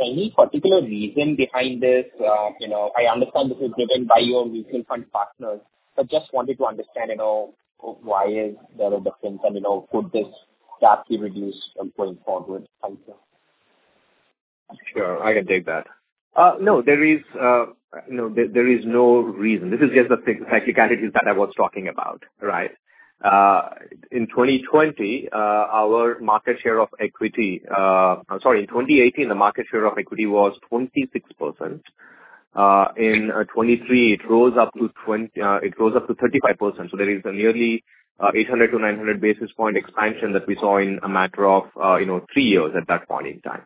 Any particular reason behind this? You know, I understand this is driven by your mutual fund partners, but just wanted to understand, you know, why is there a difference, and, you know, could this drastically reduce going forward? Thank you. Sure, I can take that. No, there is, you know, there is no reason. This is just the cyclicalities that I was talking about, right? In 2020, our market share of equity... I'm sorry, in 2018, the market share of equity was 26%. In 2023, it rose up to 35%. So there is a nearly 800–900 basis point expansion that we saw in a matter of, you know, 3 years at that point in time,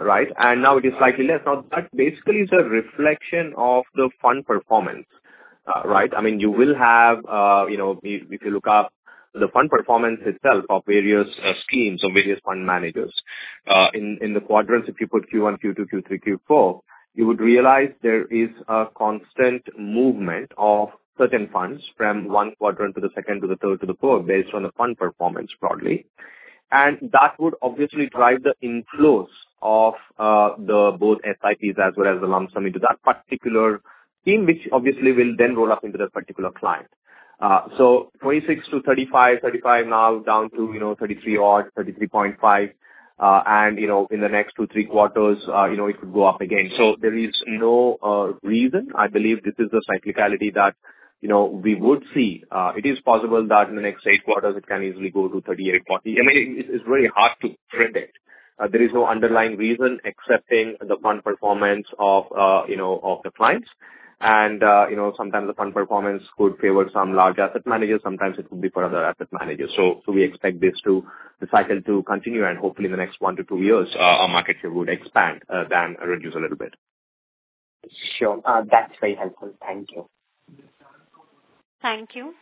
right? And now it is slightly less. Now, that basically is a reflection of the fund performance, right? I mean, you will have, you know, if, if you look up the fund performance itself of various schemes or various fund managers in the quadrants, if you put Q1, Q2, Q3, Q4, you would realize there is a constant movement of certain funds from one quadrant to the second, to the third, to the fourth, based on the fund performance broadly. And that would obviously drive the inflows of the both SIPs as well as the lump sum into that particular scheme, which obviously will then roll up into that particular client. So 26–35, 35, now down to, you know, 33 or 33.5. And, you know, in the next 2, 3 quarters, you know, it could go up again. So there is no reason. I believe this is the cyclicality that, you know, we would see. It is possible that in the next 8 quarters, it can easily go to 38–40. I mean, it's very hard to predict. There is no underlying reason except in the fund performance of, you know, of the clients. And, you know, sometimes the fund performance could favor some large asset managers, sometimes it could be for other asset managers. So we expect this, the cycle to continue, and hopefully in the next 1–2 years, our market share would expand than reduce a little bit. Sure. That's very helpful. Thank you. Thank you.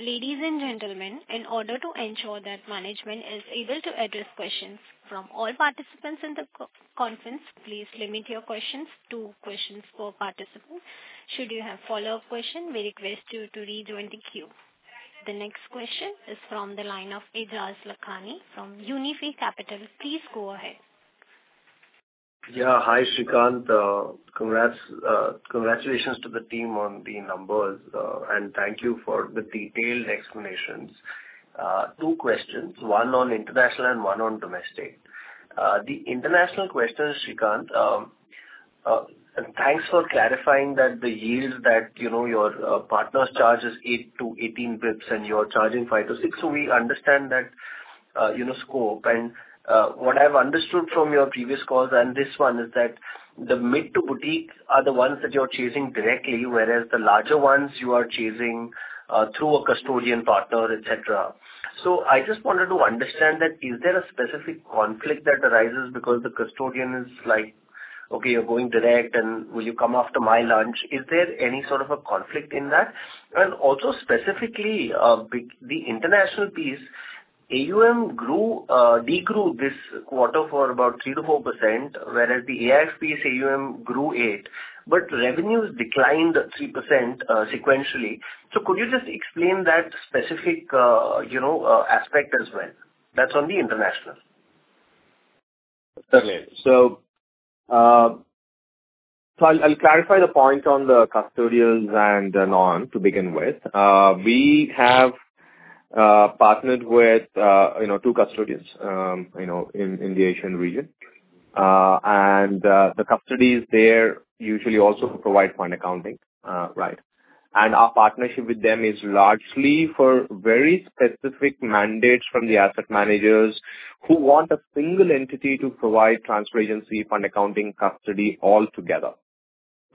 Ladies and gentlemen, in order to ensure that management is able to address questions from all participants in the conference, please limit your questions to questions per participant. Should you have follow-up question, we request you to rejoin the queue. The next question is from the line of Ijaz Lakhani from Unifi Capital. Please go ahead. Yeah. Hi, Sreekanth. Congrats, congratulations to the team on the numbers, and thank you for the detailed explanations. Two questions, one on international and one on domestic. The international question, Sreekanth, thanks for clarifying that the yield that, you know, your partners charge is 8–18 basis points, and you're charging 5–6. So we understand that, you know, scope. And, what I've understood from your previous calls and this one is that the mid to boutique are the ones that you're chasing directly, whereas the larger ones you are chasing through a custodian partner, et cetera. So I just wanted to understand that, is there a specific conflict that arises because the custodian is like: "Okay, you're going direct, and will you come after my lunch?" Is there any sort of a conflict in that? And also specifically, the international piece, AUM grew, degrew this quarter for about 3%–4%, whereas the AIF piece, AUM grew 8%, but revenues declined 3%, sequentially. So could you just explain that specific, you know, aspect as well? That's on the international. Certainly. So, so I'll clarify the point on the custodians and then on to begin with. We have partnered with, you know, two custodians, you know, in, in the Asian region. And, the custodians there usually also provide fund accounting, right? And our partnership with them is largely for very specific mandates from the asset managers who want a single entity to provide transfer agency, fund accounting, custody all together,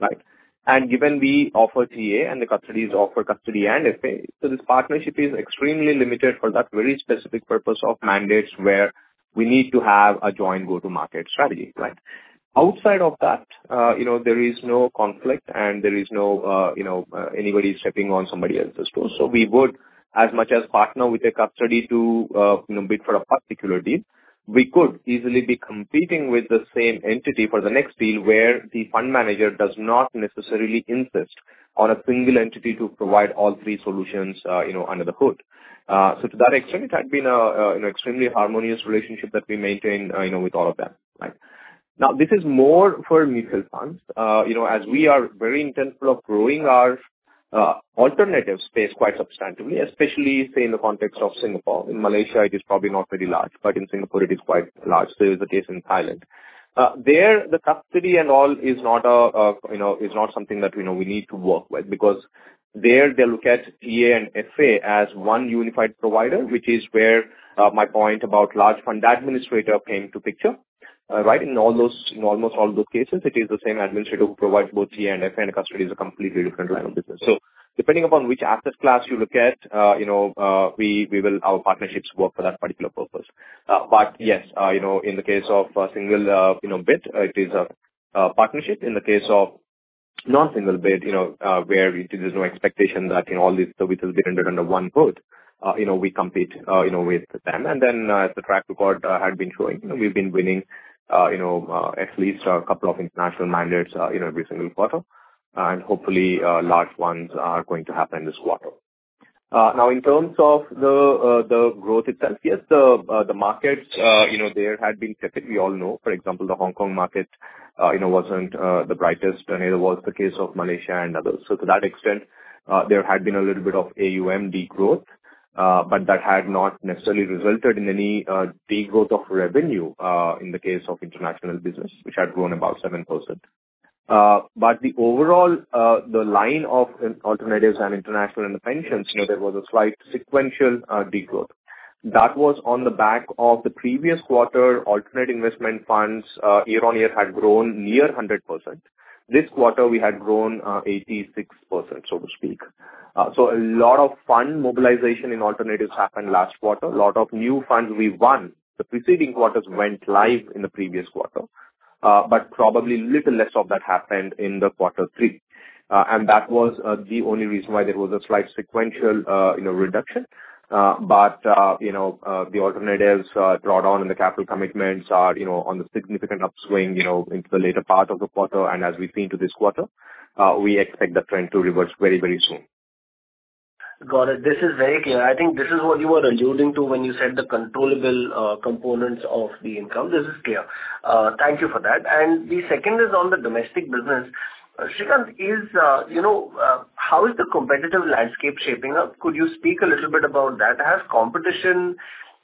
right? And given we offer TA and the custodians offer custody and FA, so this partnership is extremely limited for that very specific purpose of mandates, where we need to have a joint go-to-market strategy, right? Outside of that, you know, there is no conflict and there is no, you know, anybody stepping on somebody else's toes. So we would as much as partner with a custody to, you know, bid for a particular deal, we could easily be competing with the same entity for the next deal, where the fund manager does not necessarily insist on a single entity to provide all three solutions, you know, under the hood. So to that extent, it had been a, an extremely harmonious relationship that we maintained, you know, with all of them, right? Now, this is more for mutual funds. You know, as we are very intentful of growing our, alternative space quite substantively, especially, say, in the context of Singapore. In Malaysia, it is probably not very large, but in Singapore it is quite large, so is the case in Thailand. There the custody and all is not a, you know, is not something that, you know, we need to work with because there they look at TA and FA as one unified provider, which is where, my point about large fund administrator came to picture. Right? In all those- in almost all those cases, it is the same administrator who provides both EA and SA, and custody is a completely different line of business. So depending upon which asset class you look at, you know, we will... Our partnerships work for that particular purpose. But yes, you know, in the case of a single, you know, bid, it is a, a partnership. In the case of non-single bid, you know, where there's no expectation that, you know, all these bids will be rendered under one boat, you know, we compete, you know, with them. And then, as the track record had been showing, you know, we've been winning, you know, at least a couple of international mandates in every single quarter. And hopefully, large ones are going to happen this quarter. Now, in terms of the, the growth itself, yes, the, the markets, you know, there had been... We all know, for example, the Hong Kong market, you know, wasn't the brightest, and it was the case of Malaysia and others. So to that extent, there had been a little bit of AUM decline growth, but that had not necessarily resulted in any decline growth of revenue in the case of international business, which had grown about 7%. But the overall, the line of alternatives and international and the pensions, you know, there was a slight sequential decline growth. That was on the back of the previous quarter Alternate Investment Funds year-on-year had grown near 100%. This quarter we had grown 86%, so to speak. So a lot of fund mobilization in alternatives happened last quarter. A lot of new funds we won. The preceding quarters went live in the previous quarter, but probably little less of that happened in quarter three. And that was the only reason why there was a slight sequential, you know, reduction. But, you know, the alternatives brought on, and the capital commitments are, you know, on the significant upswing, you know, into the later part of the quarter. And as we see into this quarter, we expect the trend to reverse very, very soon. Got it. This is very clear. I think this is what you were alluding to when you said the controllable components of the income. This is clear. Thank you for that. And the second is on the domestic business. Sreekanth, is, you know, how is the competitive landscape shaping up? Could you speak a little bit about that? Has competition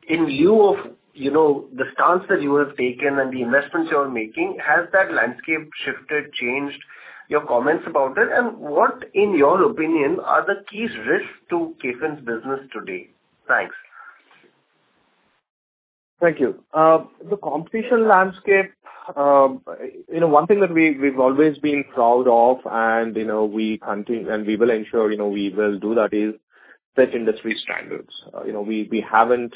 in lieu of, you know, the stance that you have taken and the investments you are making, has that landscape shifted, changed? Your comments about it, and what, in your opinion, are the key risks to KFin's business today? Thanks. Thank you. The competition landscape, you know, one thing that we, we've always been proud of, and, you know, we continue, and we will ensure, you know, we will do that is set industry standards. You know, we, we haven't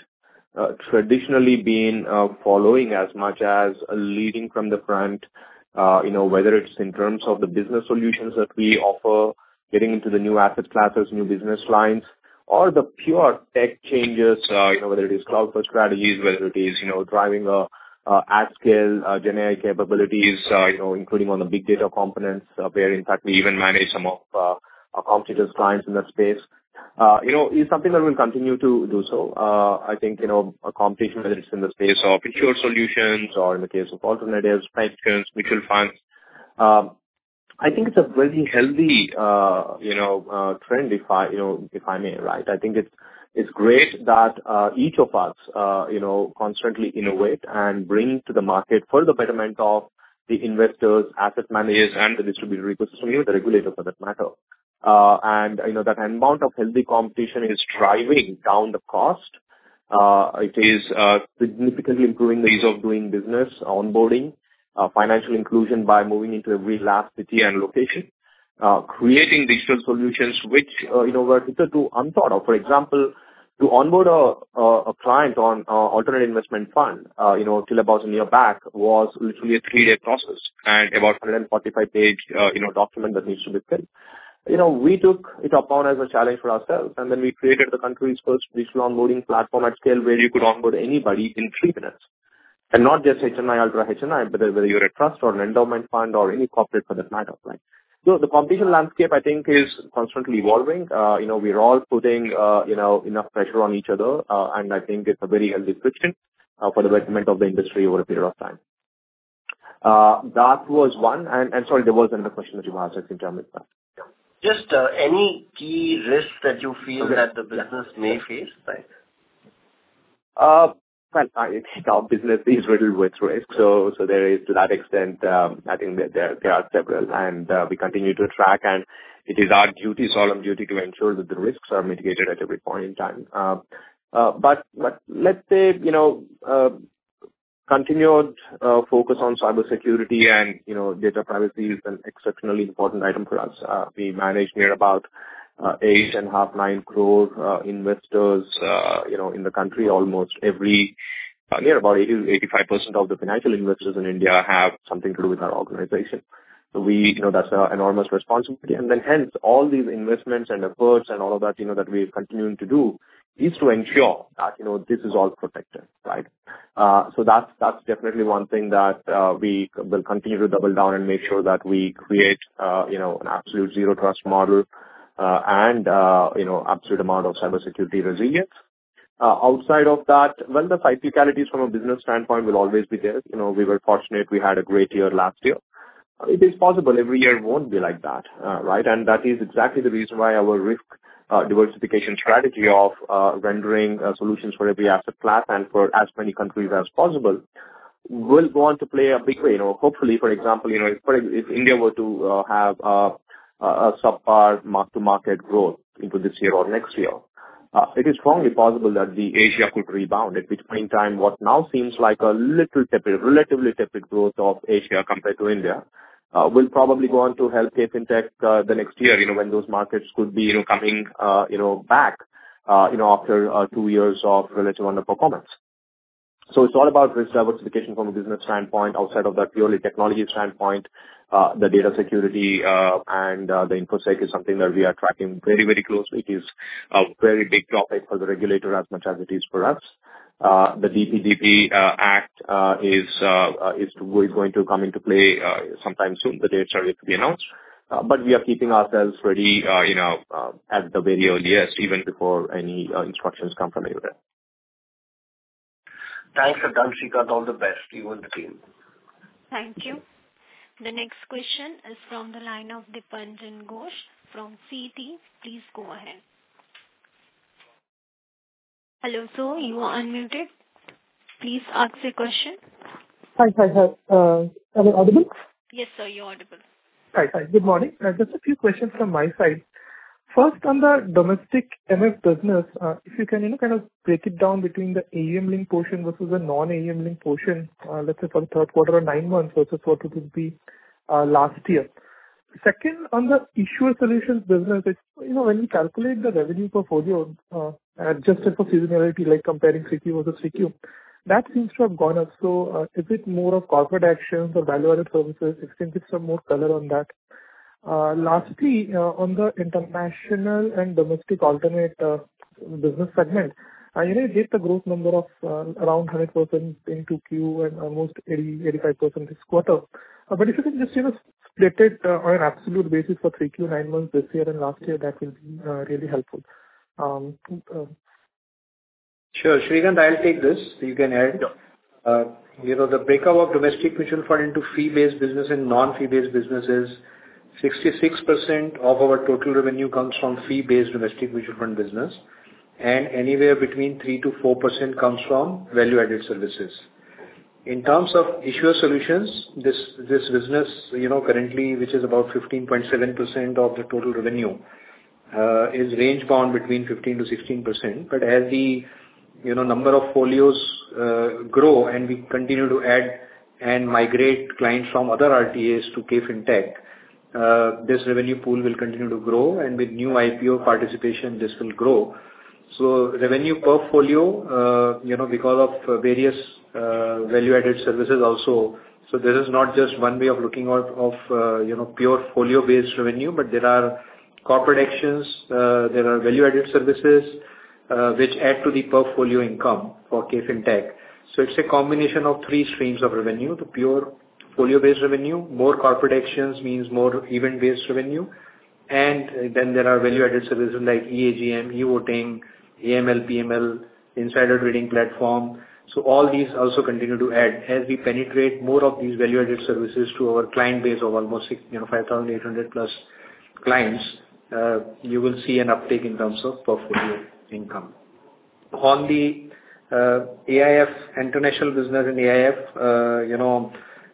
traditionally been following as much as leading from the front. You know, whether it's in terms of the business solutions that we offer, getting into the new asset classes, new business lines, or the pure tech changes, you know, whether it is cloud-first strategies, whether it is, you know, driving a at-scale generic capabilities, you know, including on the big data components, where in fact we even manage some of our competitive clients in that space. You know, it's something that we'll continue to do so. I think, you know, a competition, whether it's in the space of secure solutions or in the case of alternatives, pensions, mutual funds, I think it's a very healthy, you know, trend, if I, you know, if I may, right? I think it's, it's great that, each of us, you know, constantly innovate and bring to the market for the betterment of the investors, asset managers, and the distributor, the regulator, for that matter. And I know that amount of healthy competition is driving down the cost. It is significantly improving the ease of doing business, onboarding, financial inclusion by moving into every last city and location. Creating digital solutions which, you know, were hitherto unthought of. For example, to onboard a client on an alternative investment fund, you know, till about a year back, was literally a three-day process and about 145-page, you know, document that needs to be filled. You know, we took it upon as a challenge for ourselves, and then we created the country's first digital onboarding platform at scale, where you could onboard anybody in three minutes. And not just HNI, ultra HNI, but whether you're a trust or an endowment fund or any corporate for that matter, right? So the competition landscape, I think, is constantly evolving. You know, we are all putting, you know, enough pressure on each other. And I think it's a very healthy friction, for the betterment of the industry over a period of time. That was one. And, sorry, there was another question that you asked in terms of that. Just, any key risks that you feel that the business may face? Right. Well, our business is riddled with risk, so there is to that extent, I think that there are several, and we continue to track, and it is our duty, solemn duty, to ensure that the risks are mitigated at every point in time. But let's say, you know, continued focus on cybersecurity and, you know, data privacy is an exceptionally important item for us. We manage near about 8.5–9 crore investors, you know, in the country. Almost every, near about 80%–85% of the financial investors in India have something to do with our organization. So we... You know, that's an enormous responsibility. Then hence, all these investments and efforts and all of that, you know, that we're continuing to do, is to ensure that, you know, this is all protected, right? So that's, that's definitely one thing that we will continue to double down and make sure that we create, you know, an absolute zero trust model, and, you know, absolute amount of cybersecurity resilience.... outside of that, well, the cyclicalities from a business standpoint will always be there. You know, we were fortunate, we had a great year last year. It is possible every year won't be like that, right? And that is exactly the reason why our risk diversification strategy of rendering solutions for every asset class and for as many countries as possible, will go on to play a big way. You know, hopefully, for example, you know, if India were to have a subpar mark-to-market growth into this year or next year, it is strongly possible that Asia could rebound. If between time, what now seems like a little tepid, relatively tepid growth of Asia compared to India, will probably go on to help Fintech the next year, you know, when those markets could be, you know, coming, you know, back, you know, after two years of relatively underperformance. So it's all about risk diversification from a business standpoint. Outside of that purely technology standpoint, the data security and the infosec is something that we are tracking very, very closely. It is a very big topic for the regulator as much as it is for us. The DPDP Act is really going to come into play sometime soon. The dates are yet to be announced. But we are keeping ourselves ready, you know, at the very earliest, even before any instructions come from UIDAI. Thanks, Siddharth. All the best to you and the team. Thank you. The next question is from the line of Dipanjan Ghosh from Citi. Please go ahead. Hello, sir, you are unmuted. Please ask your question. Hi, hi, hi. Am I audible? Yes, sir, you're audible. Hi, hi. Good morning. Just a few questions from my side. First, on the domestic MF business, if you can, you know, kind of break it down between the AM-linked portion versus the non-AM-linked portion, let's say for the third quarter or nine months versus what it would be last year. Second, on the issuer solutions business, it's... You know, when you calculate the revenue portfolio, adjusted for seasonality, like comparing CQ versus CQ, that seems to have gone up. So, is it more of corporate actions or value-added services? If you can give some more color on that. Lastly, on the international and domestic alternate business segment, I know you gave the growth number of around 100% in 2Q and almost 80%–85% this quarter. But if you can just, you know, split it on an absolute basis for 3Q, nine months this year and last year, that will be really helpful. Sure, Sreekanth, I'll take this. You can add. Yeah. you know, the breakup of domestic mutual fund into fee-based business and non-fee-based business is 66% of our total revenue comes from fee-based domestic mutual fund business, and anywhere between 3%-4% comes from value-added services. In terms of issuer solutions, this, this business, you know, currently, which is about 15.7% of the total revenue, is range bound between 15%-16%. But as the, you know, number of folios, grow and we continue to add and migrate clients from other RTAs to KFintech, this revenue pool will continue to grow, and with new IPO participation, this will grow. So revenue portfolio, you know, because of various, value-added services also. So there is not just one way of looking at, of, you know, pure folio-based revenue, but there are corporate actions, there are value-added services, which add to the portfolio income for KFintech. So it's a combination of three streams of revenue: the pure folio-based revenue, more corporate actions means more event-based revenue, and then there are value-added services like eAGM, e-voting, AML, PML, insider trading platform. So all these also continue to add. As we penetrate more of these value-added services to our client base of almost 6, you know, 5,800 plus clients, you will see an uptick in terms of portfolio income. On the AIF international business and AIF, you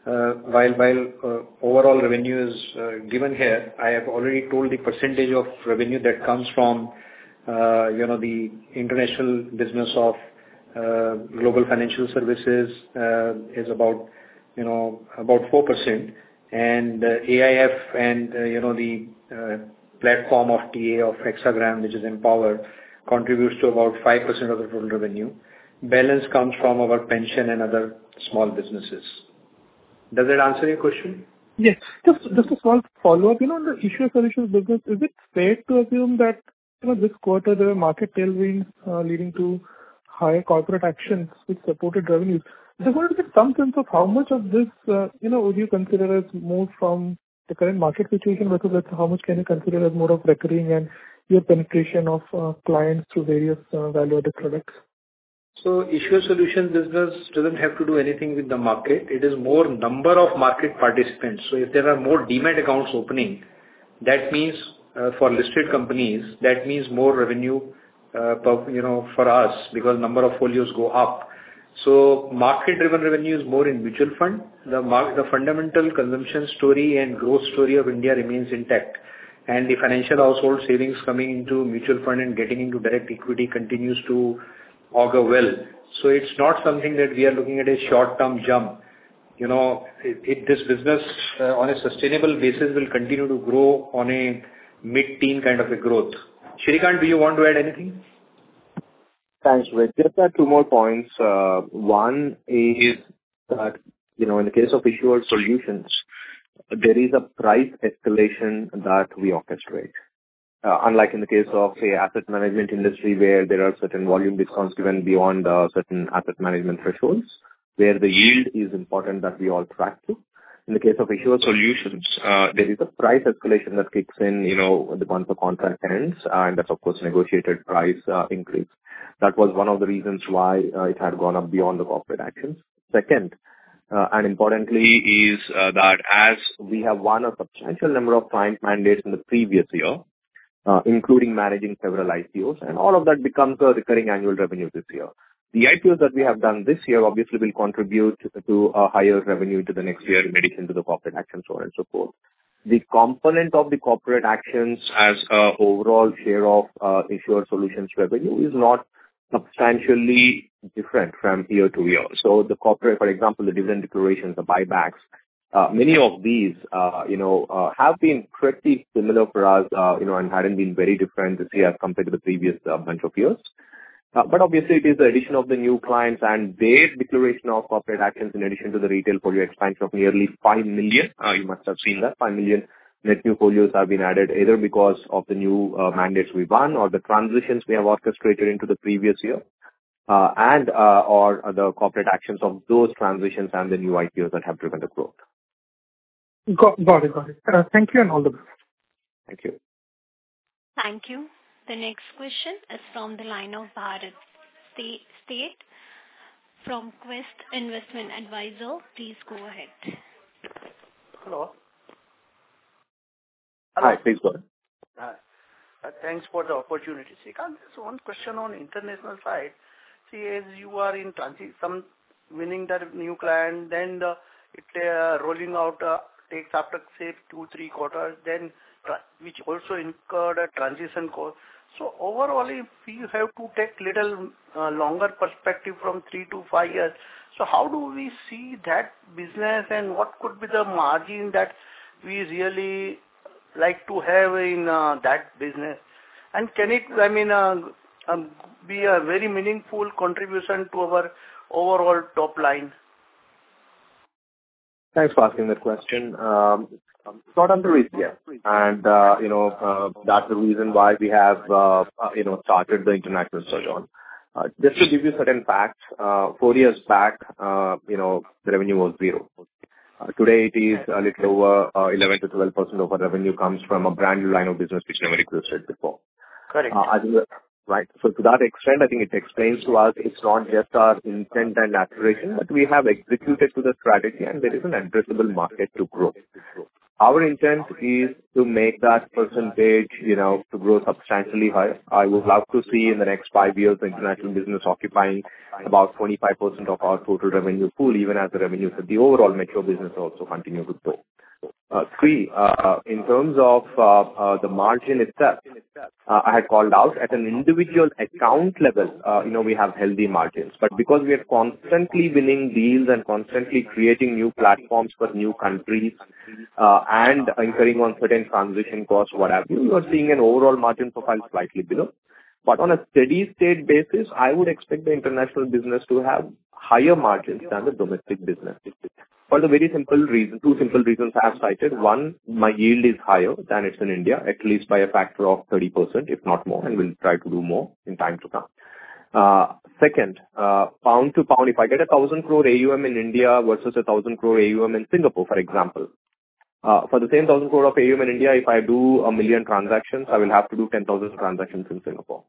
know, while overall revenue is given here, I have already told the percentage of revenue that comes from, you know, the international business of global financial services is about, you know, about 4%. And AIF and, you know, the platform of TA of Hexagram, which is mPower, contributes to about 5% of the total revenue. Balance comes from our pension and other small businesses. Does that answer your question? Yes. Just a small follow-up. You know, on the issuer solutions business, is it fair to assume that, you know, this quarter the market tailwinds leading to higher corporate actions which supported revenues? I just wanted to get some sense of how much of this, you know, would you consider as more from the current market situation versus how much can you consider as more of recurring and your penetration of clients through various value-added products? So issuer solutions business doesn't have to do anything with the market. It is more number of market participants. So if there are more Demat accounts opening, that means, for listed companies, that means more revenue, per, you know, for us, because number of folios go up. So market-driven revenue is more in mutual fund. The fundamental consumption story and growth story of India remains intact, and the financial household savings coming into mutual fund and getting into direct equity continues to augur well. So it's not something that we are looking at a short-term jump. You know, it, it, this business, on a sustainable basis, will continue to grow on a mid-teen kind of a growth. Sreekanth, do you want to add anything? Thanks, Vivek. Just add two more points. One is that, you know, in the case of issuer solutions, there is a price escalation that we orchestrate. Unlike in the case of the asset management industry, where there are certain volume discounts given beyond certain asset management thresholds... where the yield is important that we all track to. In the case of Issuer Solutions, there is a price escalation that kicks in, you know, when the contract ends, and that's, of course, negotiated price increase. That was one of the reasons why it had gone up beyond the corporate actions. Second, and importantly is that as we have won a substantial number of client mandates in the previous year, including managing several IPOs, and all of that becomes a recurring annual revenue this year. The IPOs that we have done this year obviously will contribute to a higher revenue to the next year in addition to the corporate actions so on and so forth. The component of the corporate actions as an overall share of Issuer solutions revenue is not substantially different from year to year. So the corporate, for example, the dividend declarations, the buybacks, many of these, you know, have been pretty similar for us, you know, and hadn't been very different this year compared to the previous bunch of years. But obviously it is the addition of the new clients and their declaration of corporate actions in addition to the retail portfolio expansion of nearly 5 million. You must have seen that 5 million net new portfolios have been added, either because of the new mandates we won or the transitions we have orchestrated into the previous year, and or the corporate actions of those transitions and the new IPOs that have driven the growth. Got it, got it. Thank you and all the best. Thank you. Thank you. The next question is from the line of Bharat Sheth from Quest Investment Advisors. Please go ahead. Hello? Hi, please go ahead. Hi. Thanks for the opportunity. So one question on international side. See, as you are in transit, some winning that new client, then the... if they are rolling out, takes after, say, two, three quarters, then which also incurred a transition cost. So overall, if we have to take little, longer perspective from three to five years, so how do we see that business? And what could be the margin that we really like to have in, that business? And can it, I mean, be a very meaningful contribution to our overall top line? Thanks for asking that question. Not underrated, yeah, and, you know, that's the reason why we have, you know, started the international surge on. Just to give you certain facts, four years back, you know, the revenue was zero. Today it is a little over, 11%–12% of our revenue comes from a brand new line of business, which never existed before. Correct. Right. So to that extent, I think it explains to us it's not just our intent and aspiration, but we have executed to the strategy and there is an addressable market to grow. Our intent is to make that percentage, you know, to grow substantially higher. I would love to see in the next five years, the international business occupying about 25% of our total revenue pool, even as the revenues of the overall metro business also continue to grow. Three, in terms of, the margin itself, I had called out at an individual account level, you know, we have healthy margins. But because we are constantly winning deals and constantly creating new platforms for new countries, and incurring on certain transition costs, what have you, you are seeing an overall margin profile slightly below. But on a steady state basis, I would expect the international business to have higher margins than the domestic business for the very simple reason... two simple reasons as cited. One, my yield is higher than it's in India, at least by a factor of 30%, if not more, and we'll try to do more in time to come. Second, pound to pound, if I get a thousand crore AUM in India versus a thousand crore AUM in Singapore, for example, for the same thousand crore of AUM in India, if I do a million transactions, I will have to do 10,000 transactions in Singapore.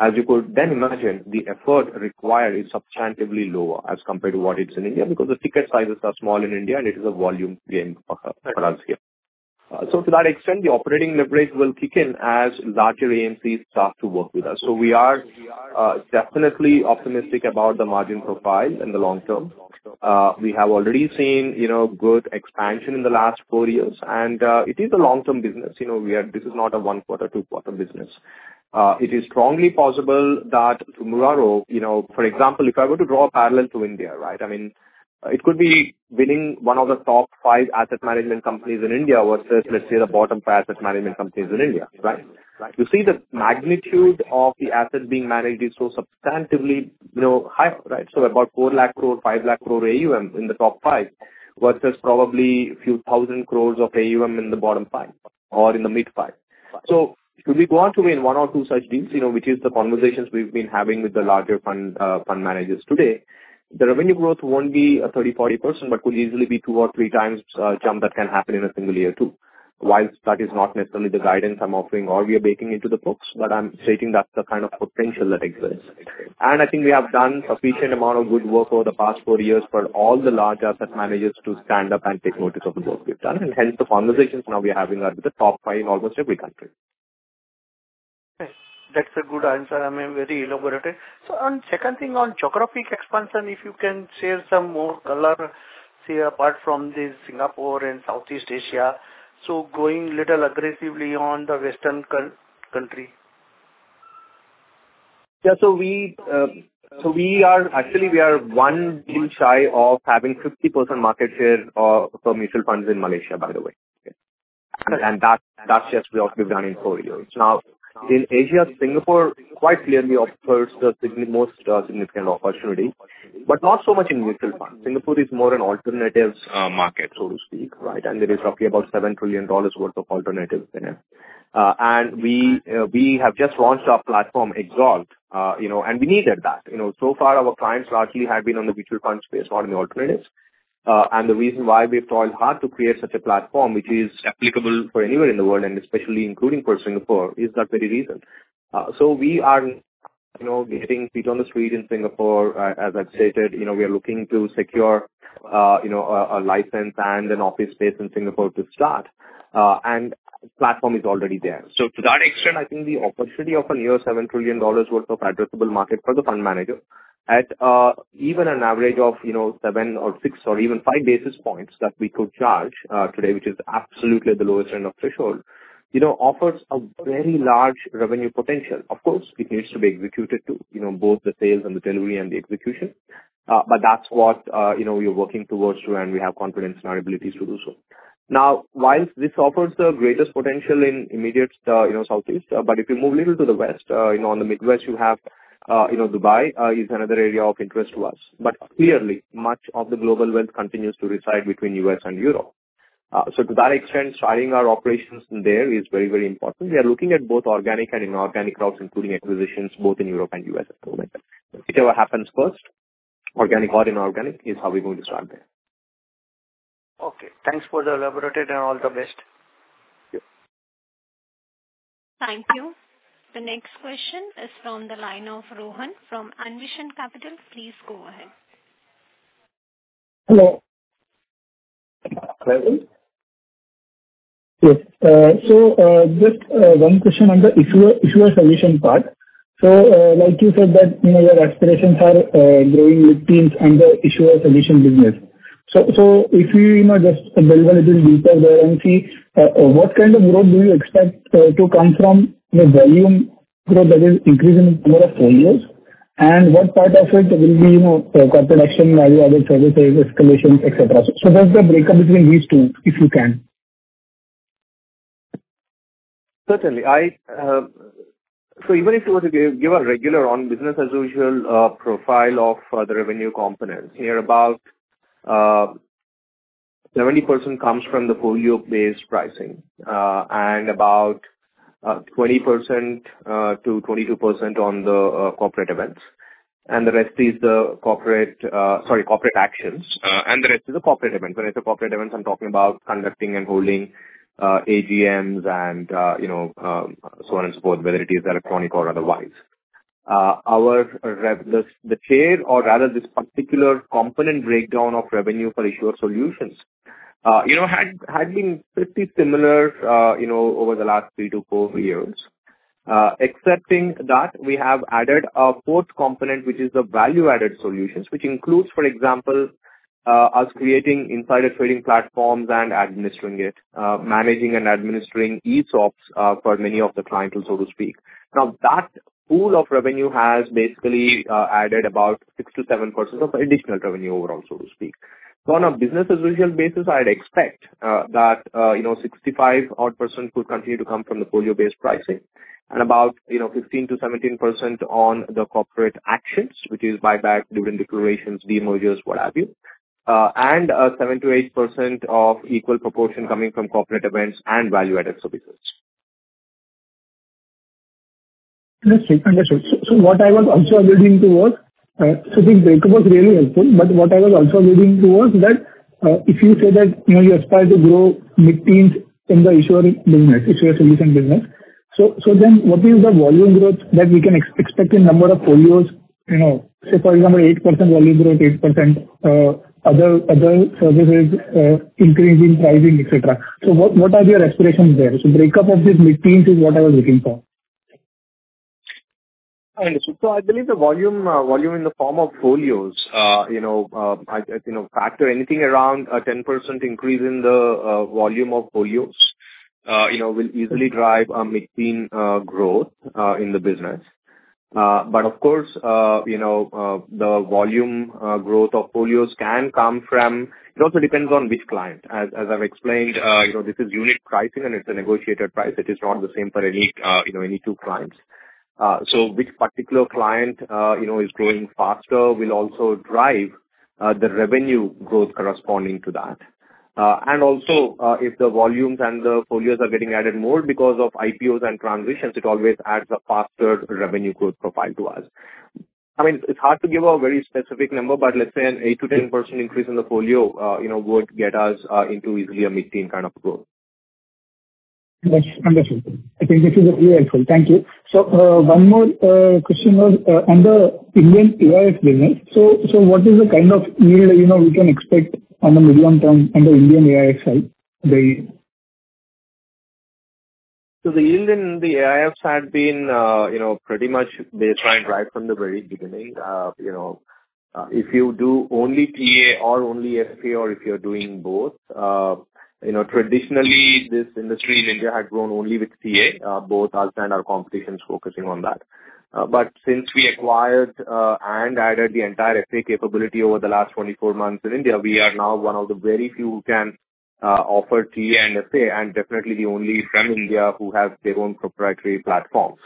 As you could then imagine, the effort required is substantially lower as compared to what it's in India, because the ticket sizes are small in India, and it is a volume game for us here. So to that extent, the operating leverage will kick in as larger AMCs start to work with us. So we are definitely optimistic about the margin profile in the long term. We have already seen, you know, good expansion in the last four years, and it is a long-term business. You know, we are—this is not a one-quarter, two-quarter business. It is strongly possible that tomorrow, you know, for example, if I were to draw a parallel to India, right? I mean, it could be winning one of the top five asset management companies in India versus, let's say, the bottom five asset management companies in India, right? Right. You see the magnitude of the assets being managed is so substantively, you know, high, right? So about 400,000 crore–500,000 crore AUM in the top five, versus probably a few thousand crore of AUM in the bottom five or in the mid five. So if we go on to win one or two such deals, you know, which is the conversations we've been having with the larger fund, fund managers today, the revenue growth won't be a 30%–40%, but could easily be two or three times, jump that can happen in a single year, too. While that is not necessarily the guidance I'm offering or we are baking into the books, but I'm stating that's the kind of potential that exists. I think we have done sufficient amount of good work over the past four years for all the large asset managers to stand up and take notice of the work we've done, and hence the conversations now we're having are with the top five in almost every country. That's a good answer. I mean, very elaborated. So on second thing, on geographic expansion, if you can share some more color, say, apart from the Singapore and Southeast Asia, so going little aggressively on the western country. Yeah. So we are actually one deal shy of having 50% market share for mutual funds in Malaysia, by the way. And that's just what we've done in four years. Now, in Asia, Singapore quite clearly offers the most significant opportunity, but not so much in mutual funds. Singapore is more an alternatives market, so to speak, right? And there is roughly about $7 trillion worth of alternatives there. And we have just launched our platform, XAlt. You know, and we needed that. You know, so far our clients largely have been on the mutual fund space, not in the alternatives. And the reason why we've toiled hard to create such a platform, which is applicable for anywhere in the world, and especially including for Singapore, is that very reason. So we are, you know, getting feet on the street in Singapore. As I've stated, you know, we are looking to secure, you know, a license and an office space in Singapore to start, and the platform is already there. So to that extent, I think the opportunity of a near $7 trillion worth of addressable market for the fund manager at, even an average of, you know, seven or six or even five basis points that we could charge, today, which is absolutely the lowest end of threshold, you know, offers a very large revenue potential. Of course, it needs to be executed to, you know, both the sales and the delivery and the execution. But that's what, you know, we are working towards to, and we have confidence in our abilities to do so. Now, while this offers the greatest potential in immediate, you know, Southeast, but if you move a little to the west, you know, on the Middle East, you have, you know, Dubai is another area of interest to us. But clearly, much of the global wealth continues to reside between U.S. and Europe. So to that extent, starting our operations there is very, very important. We are looking at both organic and inorganic routes, including acquisitions, both in Europe and U.S. at the moment. Whichever happens first, organic or inorganic, is how we're going to start there. Okay, thanks for the elaboration, and all the best. Yep. Thank you. The next question is from the line of Rohan from Anvil Share & Stock Broking. Please go ahead. Hello. Rohan? Yes. So, just one question on the issuer solutions part. So, like you said, that, you know, your aspirations are growing mid-teens in the issuer solutions business. So, if you, you know, just delve a little deeper there and see what kind of growth do you expect to come from the volume growth that is increase in number of folios, and what part of it will be, you know, corporate action, value-added service, escalation, et cetera. So what's the breakup between these two, if you can? Certainly. I... So even if you were to give a regular on business as usual, profile of, the revenue component, here about, 70% comes from the folio-based pricing, and about, 20%–22% on the, corporate events. And the rest is the corporate, sorry, corporate actions, and the rest is the corporate events. When I say corporate events, I'm talking about conducting and holding AGMs and, you know, so on and so forth, whether it is electronic or otherwise. Our revenue, the share or rather this particular component breakdown of revenue for Issuer solutions, you know, had been pretty similar, you know, over the last 3–4 years. Excepting that, we have added a fourth component, which is the value-added solutions, which includes, for example, us creating insider trading platforms and administering it, managing and administering ESOPs, for many of the clients, so to speak. Now, that pool of revenue has basically added about 6%–7% of additional revenue overall, so to speak. So on a business-as-usual basis, I'd expect, that, you know, 65-odd% would continue to come from the folio-based pricing, and about, you know, 15%–17% on the corporate actions, which is buyback, dividend declarations, demergers, what have you. And 7%–8% of equal proportion coming from corporate events and value-added services. Understood. Understood. So, so what I was also alluding toward, so the breakup was really helpful, but what I was also alluding toward that, if you say that, you know, you aspire to grow mid-teens in the issuing business, issuer solutions business, so, so then what is the volume growth that we can expect in number of folios, you know? Say, for example, 8% volume growth, 8%, other services, increase in pricing, et cetera. So what are your aspirations there? So breakup of this mid-teens is what I was looking for. I understand. So I believe the volume in the form of folios, you know, factor anything around a 10% increase in the volume of folios, you know, will easily drive a mid-teen growth in the business. But of course, you know, the volume growth of folios can come from... It also depends on which client. As I've explained, you know, this is unique pricing and it's a negotiated price. It is not the same for any, you know, any two clients. So which particular client, you know, is growing faster will also drive the revenue growth corresponding to that. And also, if the volumes and the folios are getting added more because of IPOs and transitions, it always adds a faster revenue growth profile to us. I mean, it's hard to give a very specific number, but let's say an 8%–10% increase in the folio, you know, would get us into easily a mid-teen kind of growth. Yes, understood. I think this is very helpful. Thank you. So, one more question was under Indian AIF business. So, what is the kind of yield, you know, we can expect on the medium term under Indian AIF side? The- So the Indian AIFs had been, you know, pretty much baseline right from the very beginning. You know, if you do only TA or only FA or if you're doing both, you know, traditionally, this industry in India had grown only with TA, both us and our competitors focusing on that. But since we acquired and added the entire FA capability over the last 24 months in India, we are now one of the very few who can offer TA and FA, and definitely the only from India who have their own proprietary platforms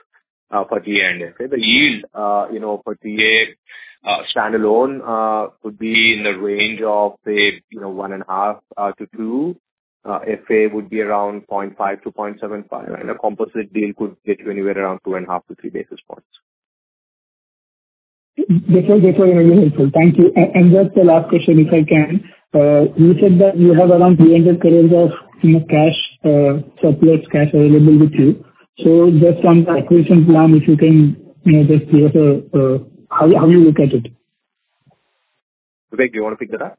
for TA and FA. The yield, you know, for TA standalone, would be in the range of, say, you know, 1.5-2. FA would be around 0.5–0.75, and a composite deal could get you anywhere around 2.5–3 basis points. That's very helpful. Thank you. And just a last question, if I can. You said that you have around 300 crore of, you know, cash, surplus cash available with you. So just on the acquisition plan, if you can, you know, just give us a... How do you look at it? Vivek, do you want to pick that up?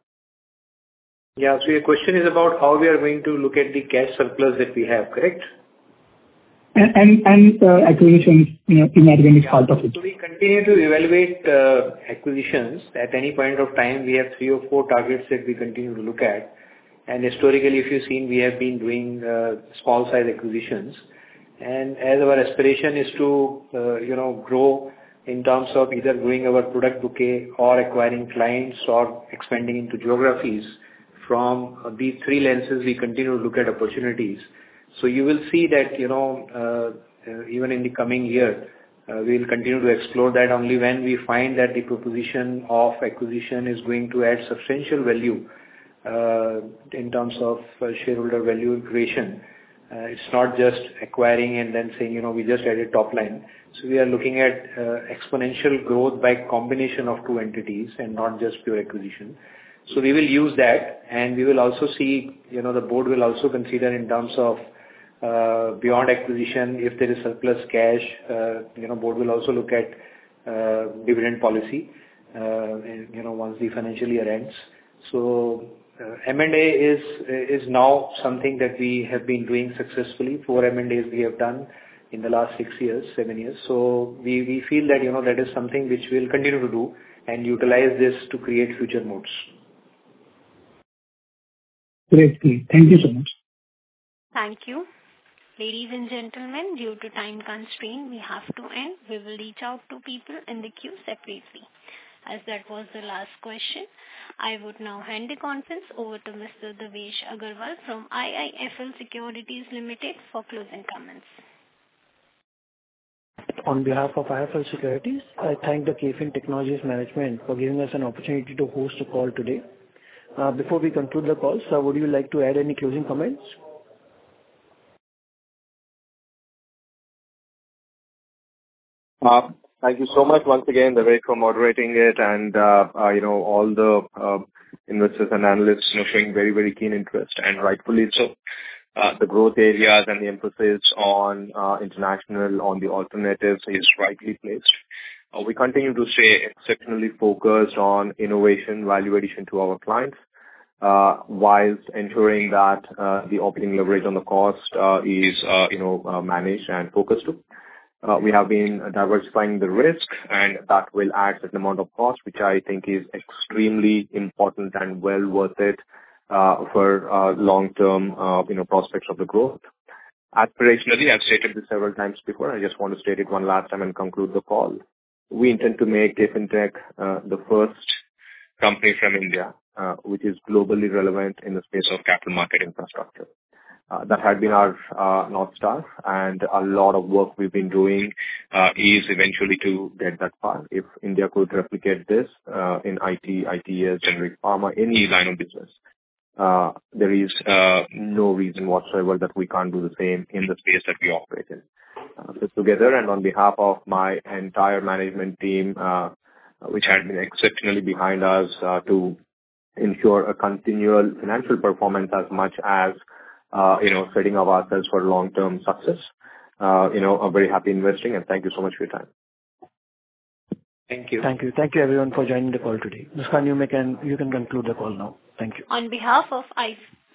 Yeah. Your question is about how we are going to look at the cash surplus that we have, correct? acquisitions, you know, in that range, part of it. So we continue to evaluate acquisitions. At any point of time, we have three or four targets that we continue to look at. Historically, if you've seen, we have been doing small-sized acquisitions. As our aspiration is to you know grow in terms of either growing our product bouquet or acquiring clients or expanding into geographies, from these three lenses, we continue to look at opportunities. So you will see that you know even in the coming year we'll continue to explore that only when we find that the proposition of acquisition is going to add substantial value in terms of shareholder value creation. It's not just acquiring and then saying, "You know, we just added top line." So we are looking at exponential growth by combination of two entities and not just pure acquisition. So we will use that, and we will also see, you know, the board will also consider in terms of, beyond acquisition, if there is surplus cash, you know, board will also look at dividend policy, you know, once the financial year ends. So, M&A is now something that we have been doing successfully. 4 M&As we have done in the last 6 years, 7 years. So we feel that, you know, that is something which we'll continue to do and utilize this to create future modes. Great. Thank you so much. Thank you. Ladies and gentlemen, due to time constraint, we have to end. We will reach out to people in the queue separately. As that was the last question, I would now hand the conference over to Mr. Devesh Agarwal from IIFL Securities Limited for closing comments. On behalf of IIFL Securities, I thank the KFin Technologies management for giving us an opportunity to host the call today. Before we conclude the call, sir, would you like to add any closing comments? Thank you so much once again, Vivek, for moderating it and, you know, all the investors and analysts showing very, very keen interest, and rightfully so. The growth areas and the emphasis on international, on the alternatives is rightly placed. We continue to stay exceptionally focused on innovation, value addition to our clients, whilst ensuring that the operating leverage on the cost is, you know, managed and focused to. We have been diversifying the risks, and that will add a certain amount of cost, which I think is extremely important and well worth it, for long-term, you know, prospects of the growth. Aspirationally, I've stated this several times before, I just want to state it one last time and conclude the call. We intend to make KFintech the first company from India which is globally relevant in the space of capital market infrastructure. That has been our North Star, and a lot of work we've been doing is eventually to get that far. If India could replicate this in IT, ITS, generic pharma, any line of business, there is no reason whatsoever that we can't do the same in the space that we operate in. So together and on behalf of my entire management team, which has been exceptionally behind us to ensure a continual financial performance as much as, you know, setting of ourselves for long-term success, you know, a very happy investing, and thank you so much for your time. Thank you. Thank you. Thank you, everyone, for joining the call today. Mishka, you can conclude the call now. Thank you. On behalf of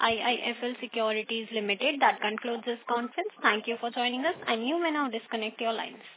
IIFL Securities Limited, that concludes this conference. Thank you for joining us, and you may now disconnect your lines.